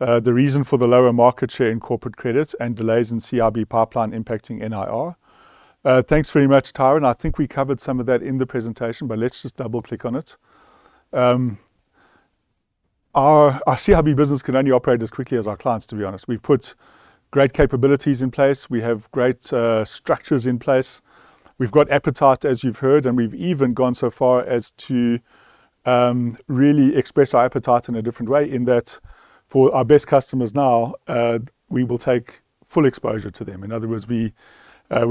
The reason for the lower market share in corporate credits and delays in CRB pipeline impacting NIR. Thanks very much, Tyron. I think we covered some of that in the presentation, but let's just double-click on it. Our CRB business can only operate as quickly as our clients, to be honest. We've put great capabilities in place. We have great structures in place. We've got appetite, as you've heard, and we've even gone so far as to really express our appetite in a different way in that for our best customers now, we will take full exposure to them. In other words, we're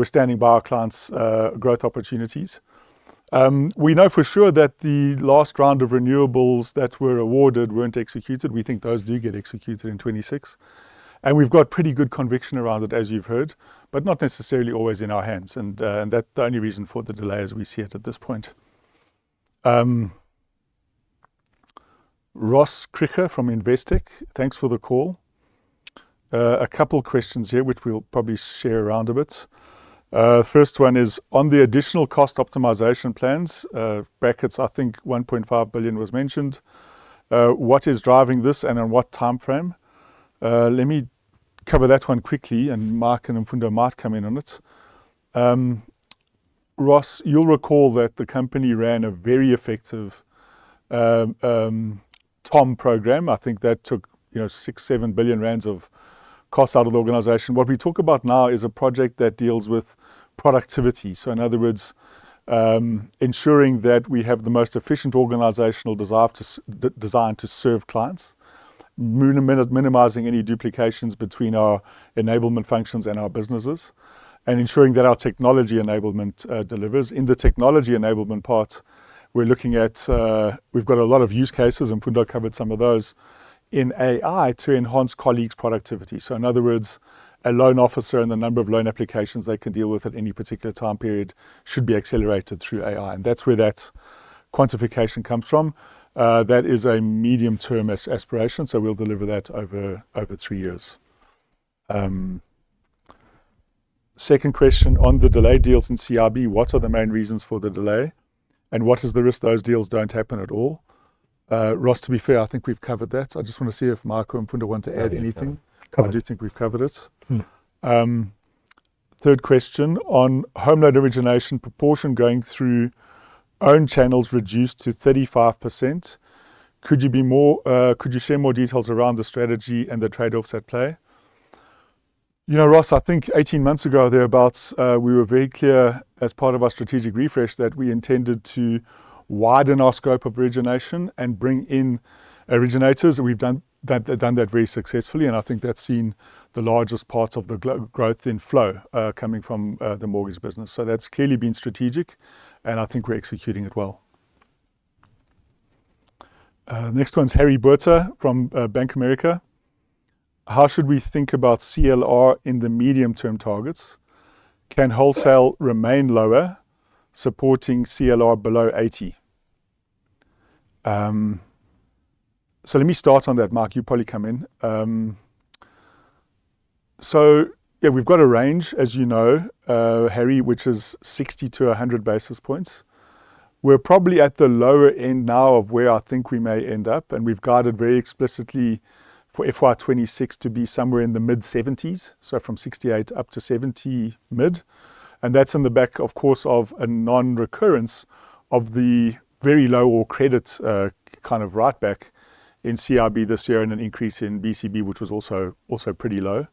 standing by our clients' growth opportunities. We know for sure that the last round of renewables that were awarded weren't executed. We think those do get executed in 2026, and we've got pretty good conviction around it, as you've heard, but not necessarily always in our hands. That's the only reason for the delay as we see it at this point. Ross Krige from Investec, thanks for the call. A couple questions here, which we'll probably share around a bit. First one is on the additional cost optimization plans, brackets, I think 1.5 billion was mentioned. What is driving this and on what timeframe? Let me cover that one quickly, and Mike and Mfundo might come in on it. Ross, you'll recall that the company ran a very effective TOM program. I think that took, you know, 6 billion-7 billion rand of cost out of the organization. What we talk about now is a project that deals with productivity. In other words, ensuring that we have the most efficient organizational designed to serve clients, minimizing any duplications between our enablement functions and our businesses, and ensuring that our technology enablement delivers. In the technology enablement part, we're looking at, we've got a lot of use cases, and Mfundo covered some of those, in AI to enhance colleagues' productivity. In other words, a loan officer and the number of loan applications they can deal with at any particular time period should be accelerated through AI, and that's where that quantification comes from. That is a medium-term aspiration, so we'll deliver that over 3 years. Second question on the delayed deals in CRB, what are the main reasons for the delay, and what is the risk those deals don't happen at all? Ross, to be fair, I think we've covered that. I just wanna see if Mike or Mfundo want to add anything. Yeah. Covered. I do think we've covered it. Third question on home loan origination proportion going through own channels reduced to 35%. Could you be more, could you share more details around the strategy and the trade-offs at play? You know, Ross, I think 18 months ago or thereabouts, we were very clear as part of our strategic refresh that we intended to widen our scope of origination and bring in originators. We've done that very successfully, and I think that's seen the largest part of the growth in flow, coming from the mortgage business. That's clearly been strategic, and I think we're executing it well. Next one's Harry Botha from Bank of America. How should we think about CLR in the medium-term targets? Can wholesale remain lower, supporting CLR below 80? Let me start on that. Mike, you'll probably come in. Yeah, we've got a range, as you know, Harry, which is 60-100 basis points. We're probably at the lower end now of where I think we may end up, and we've guided very explicitly for FY 2026 to be somewhere in the mid-70s, so from 68 up to 70 mid. That's on the back, of course, of a non-recurrence of the very low or credit, kind of writeback in CIB this year and an increase in BCB, which was also pretty low.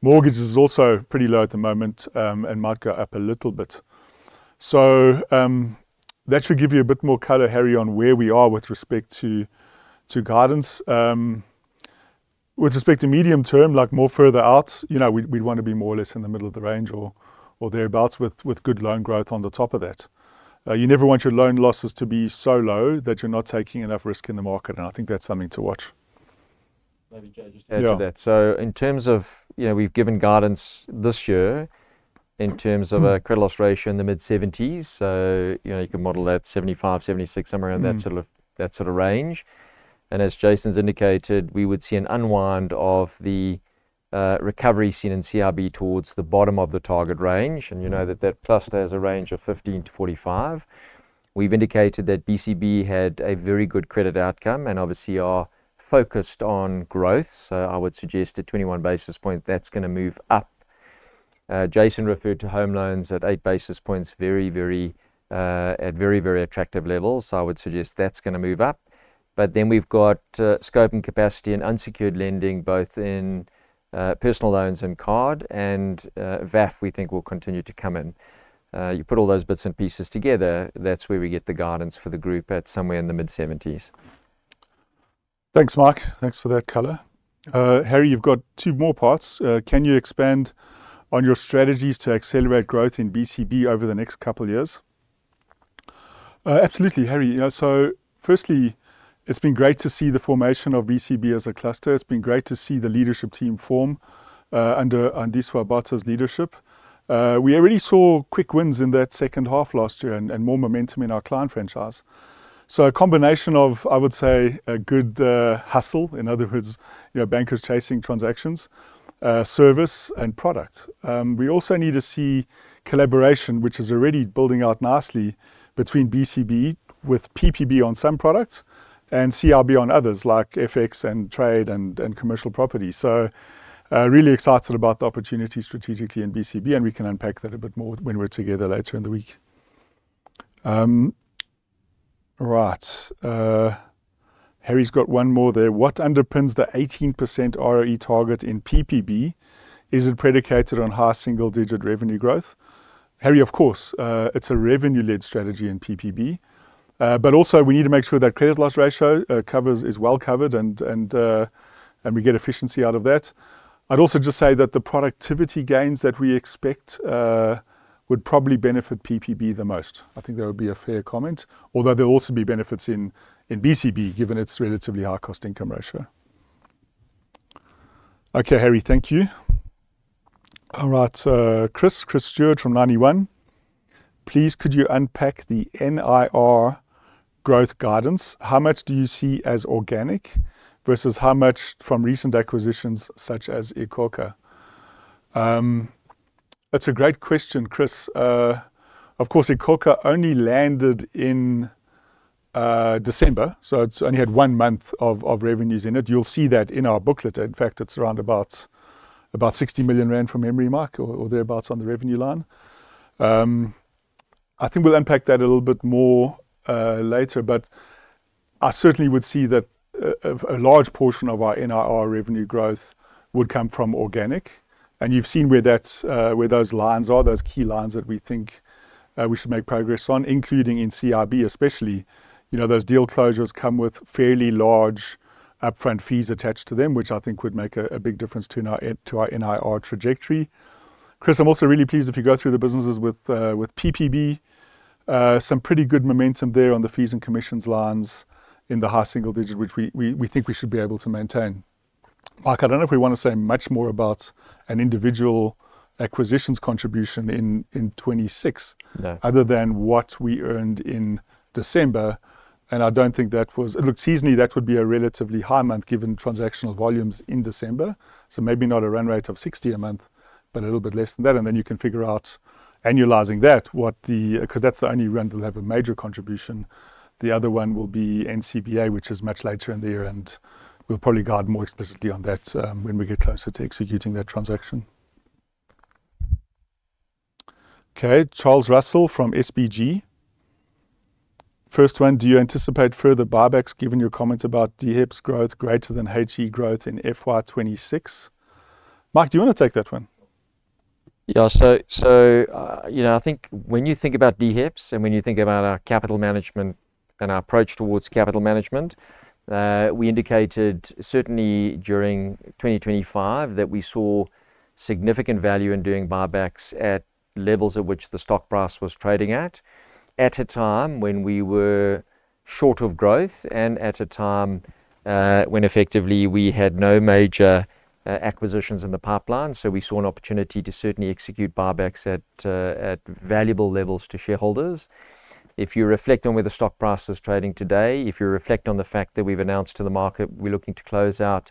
Mortgage is also pretty low at the moment, and might go up a little bit. That should give you a bit more color, Harry, on where we are with respect to guidance. With respect to medium term, like more further out, you know, we'd wanna be more or less in the middle of the range or thereabouts with good loan growth on the top of that. You never want your loan losses to be so low that you're not taking enough risk in the market, and I think that's something to watch. Maybe Jay just to add to that. Yeah. In terms of, you know, we've given guidance this year in terms of a credit loss ratio in the mid-seventies. You know, you can model that 75, 76, somewhere around that sort of, that sort of range. As Jason's indicated, we would see an unwind of the recovery seen in CRB towards the bottom of the target range. You know that that cluster has a range of 15-45. We've indicated that BCB had a very good credit outcome and obviously are focused on growth. I would suggest at 21 basis point, that's gonna move up. Jason referred to home loans at 8 basis points very, very, at very, very attractive levels. I would suggest that's gonna move up. We've got scope and capacity in unsecured lending, both in personal loans and card, and VAF, we think will continue to come in. You put all those bits and pieces together, that's where we get the guidance for the group at somewhere in the mid-seventies. Thanks, Mike. Thanks for that color. Harry, you've got two more parts. Can you expand on your strategies to accelerate growth in BCB over the next couple years? Absolutely, Harry. You know, firstly, it's been great to see the formation of BCB as a cluster. It's been great to see the leadership team form under Andiswa Bata's leadership. We already saw quick wins in that second half last year and more momentum in our client franchise. A combination of, I would say, a good hustle, in other words, you know, bankers chasing transactions, service and product. We also need to see collaboration, which is already building out nicely between BCB with PPB on some products and CRB on others like FX and trade and commercial property. Really excited about the opportunity strategically in BCB, and we can unpack that a bit more when we're together later in the week. Right. Harry's got one more there. What underpins the 18% ROE target in PPB? Is it predicated on high single digit revenue growth? Harry, of course. It's a revenue-led strategy in PPB. But also we need to make sure that credit loss ratio is well covered and we get efficiency out of that. I'd also just say that the productivity gains that we expect would probably benefit PPB the most. I think that would be a fair comment. Although there'll also be benefits in BCB, given its relatively high cost income ratio. Okay, Harry. Thank you. All right. Chris Stewart from Ninety One. Please could you unpack the NIR growth guidance? How much do you see as organic versus how much from recent acquisitions such as iKhokha? That's a great question, Chris. Of course, iKhokha only landed in December, so it's only had one month of revenues in it. You'll see that in our booklet. In fact, it's around about 60 million rand from memory, Mike, or thereabouts on the revenue line. I think we'll unpack that a little bit more later. I certainly would see that a large portion of our NIR revenue growth would come from organic. You've seen where that's where those lines are, those key lines that we think we should make progress on, including in CIB especially. You know, those deal closures come with fairly large upfront fees attached to them, which I think would make a big difference to our NIR trajectory. Chris, I'm also really pleased if you go through the businesses with PPB. Some pretty good momentum there on the fees and commissions lines in the high single digit, which we think we should be able to maintain. Mike, I don't know if we wanna say much more about an individual acquisition's contribution in 26. No Other than what we earned in December, I don't think that was. Seasonally, that would be a relatively high month given transactional volumes in December. Maybe not a run rate of 60 a month, but a little bit less than that, and then you can figure out annualizing that. 'Cause that's the only rand that'll have a major contribution. The other one will be NCBA, which is much later in the year. We'll probably guide more explicitly on that when we get closer to executing that transaction. Okay. Charles Russell from SBG. First one, do you anticipate further buybacks given your comments about DHEPS growth greater than HE growth in FY 2026? Mike, do you wanna take that one? You know, I think when you think about DHEPS and when you think about our capital management and our approach towards capital management, we indicated certainly during 2025 that we saw significant value in doing buybacks at levels at which the stock price was trading at a time when we were short of growth and at a time when effectively we had no major acquisitions in the pipeline. We saw an opportunity to certainly execute buybacks at valuable levels to shareholders. If you reflect on where the stock price is trading today, if you reflect on the fact that we've announced to the market we're looking to close out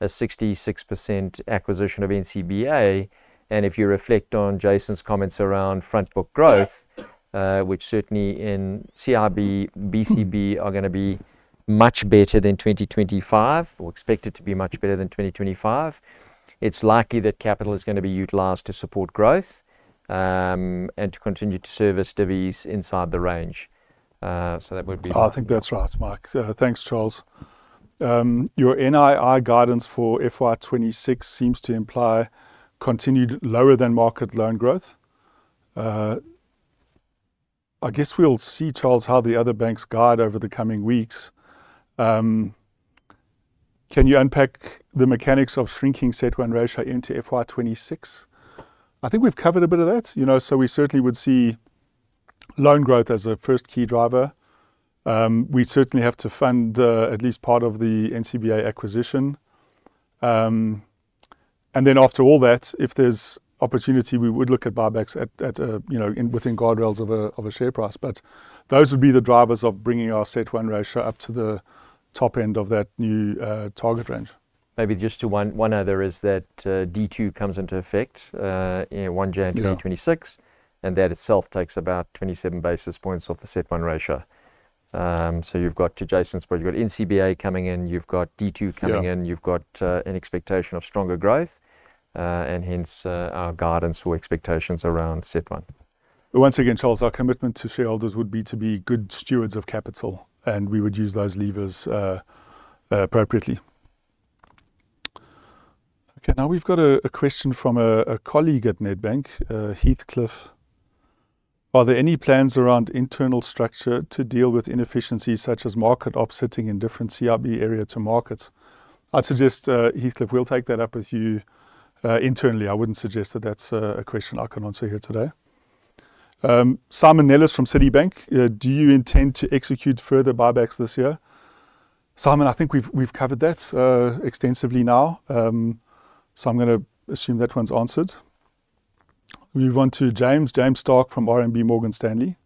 a 66% acquisition of NCBA, and if you reflect on Jason's comments around front book growth, which certainly in CIB, BCB are gonna be much better than 2025, or expected to be much better than 2025, it's likely that capital is gonna be utilized to support growth, and to continue to service divis inside the range. I think that's right, Mike. Thanks, Charles. Your NII guidance for FY 2026 seems to imply continued lower than market loan growth. I guess we'll see, Charles, how the other banks guide over the coming weeks. Can you unpack the mechanics of shrinking CET1 ratio into FY 2026? I think we've covered a bit of that, you know. We certainly would see loan growth as a first key driver. We certainly have to fund at least part of the NCBA acquisition. And then after all that, if there's opportunity, we would look at buybacks at, you know, within guardrails of a, of a share price. Those would be the drivers of bringing our CET1 ratio up to the top end of that new target range. Maybe just to one other is that, D-SIB comes into effect, you know, one January. Yeah... 26, and that itself takes about 27 basis points off the CET1 ratio. You've got to Jason's point, you've got NCBA coming in, you've got D-SIB coming in. Yeah... you've got an expectation of stronger growth, and hence, our guidance or expectations around CET1. Once again, Charles, our commitment to shareholders would be to be good stewards of capital, and we would use those levers appropriately. Okay. Now we've got a question from a colleague at Nedbank, Heathcliff. Are there any plans around internal structure to deal with inefficiencies such as market offsetting in different CIB area to markets? I'd suggest, Heathcliff, we'll take that up with you internally. I wouldn't suggest that that's a question I can answer here today. Simon Nellis from Citibank. Do you intend to execute further buybacks this year? Simon, I think we've covered that extensively now, so I'm gonna assume that one's answered. Move on to James. James Starke from RMB Morgan Stanley.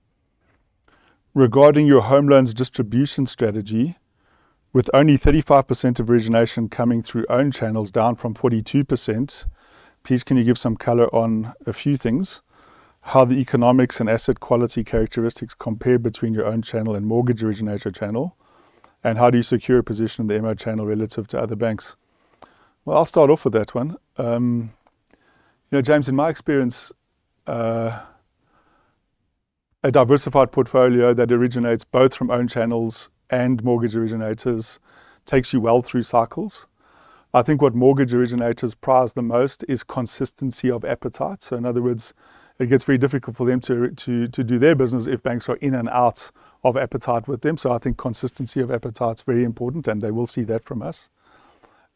Regarding your home loans distribution strategy, with only 35% of origination coming through own channels down from 42%, please can you give some color on a few things, how the economics and asset quality characteristics compare between your own channel and mortgage originator channel? How do you secure a position in the MO channel relative to other banks?" Well, I'll start off with that one. You know, James, in my experience, a diversified portfolio that originates both from own channels and mortgage originators takes you well through cycles. I think what mortgage originators prize the most is consistency of appetite. In other words, it gets very difficult for them to do their business if banks are in and out of appetite with them. I think consistency of appetite is very important, and they will see that from us.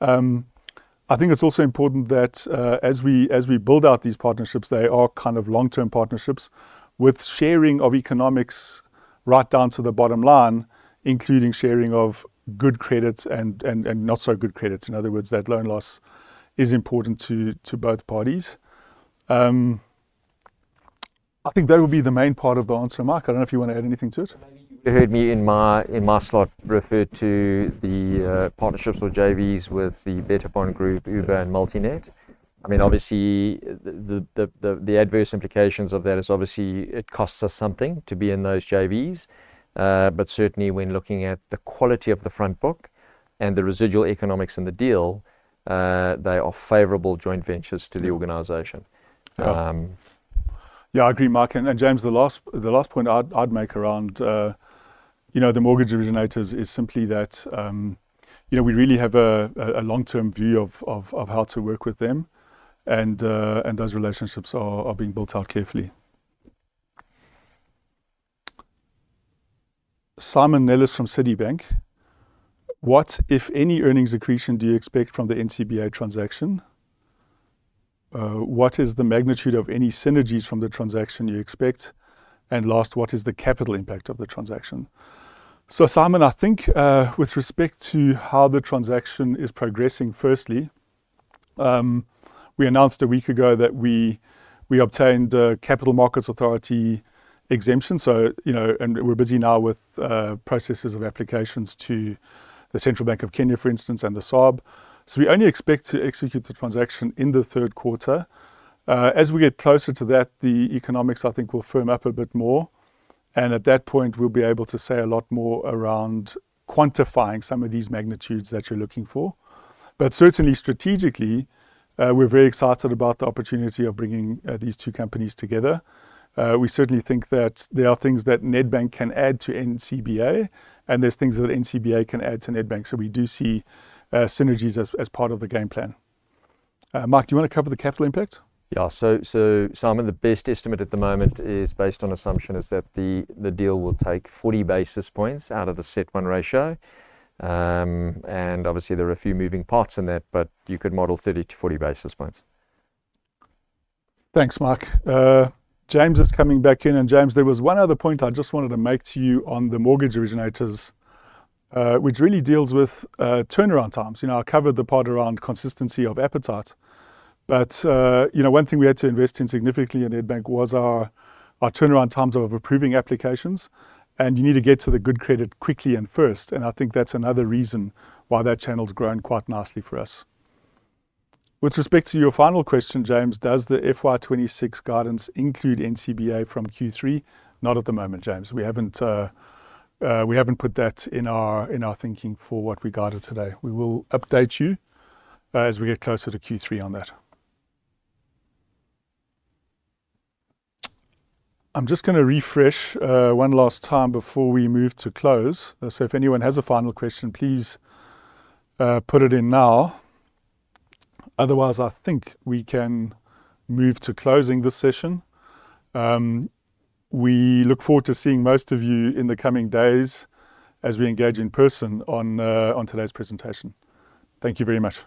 I think it's also important that as we build out these partnerships, they are kind of long-term partnerships with sharing of economics right down to the bottom line, including sharing of good credits and not so good credits. In other words, that loan loss is important to both parties. I think that would be the main part of the answer. Mike, I don't know if you wanna add anything to it. You heard me in my slot referred to the partnerships or JVs with the BetterHome Group, ooba, and MultiNET. I mean, obviously, the adverse implications of that is obviously it costs us something to be in those JVs. Certainly when looking at the quality of the front book and the residual economics in the deal, they are favorable joint ventures to the organization. Yeah. Yeah, I agree, Mike. James, the last point I'd make around, you know, the mortgage originators is simply that, you know, we really have a long-term view of how to work with them and those relationships are being built out carefully. Simon Nellis from Citibank. "What, if any, earnings accretion do you expect from the NCBA transaction? What is the magnitude of any synergies from the transaction you expect? Last, what is the capital impact of the transaction?" Simon, I think, with respect to how the transaction is progressing, firstly, we announced a week ago that we obtained a Capital Markets Authority exemption. You know, and we're busy now with processes of applications to the Central Bank of Kenya, for instance, and the SARB. We only expect to execute the transaction in the third quarter. As we get closer to that, the economics, I think, will firm up a bit more. At that point, we'll be able to say a lot more around quantifying some of these magnitudes that you're looking for. Certainly strategically, we're very excited about the opportunity of bringing, these two companies together. We certainly think that there are things that Nedbank can add to NCBA, and there's things that NCBA can add to Nedbank. We do see, synergies as part of the game plan. Mike, do you wanna cover the capital impact? Yeah. Simon, the best estimate at the moment is based on assumption is that the deal will take 40 basis points out of the CET1 ratio. Obviously there are a few moving parts in that, but you could model 30-40 basis points. Thanks, Mike. James, there was one other point I just wanted to make to you on the mortgage originators, which really deals with turnaround times. You know, I covered the part around consistency of appetite, but, you know, one thing we had to invest in significantly at Nedbank was our turnaround times of approving applications, and you need to get to the good credit quickly and first, and I think that's another reason why that channel's grown quite nicely for us. With respect to your final question, James, does the FY 2026 guidance include NCBA from Q3? Not at the moment, James. We haven't, we haven't put that in our thinking for what we guided today. We will update you as we get closer to Q3 on that. I'm just gonna refresh, one last time before we move to close. If anyone has a final question, please put it in now. I think we can move to closing this session. We look forward to seeing most of you in the coming days as we engage in person on today's presentation. Thank you very much.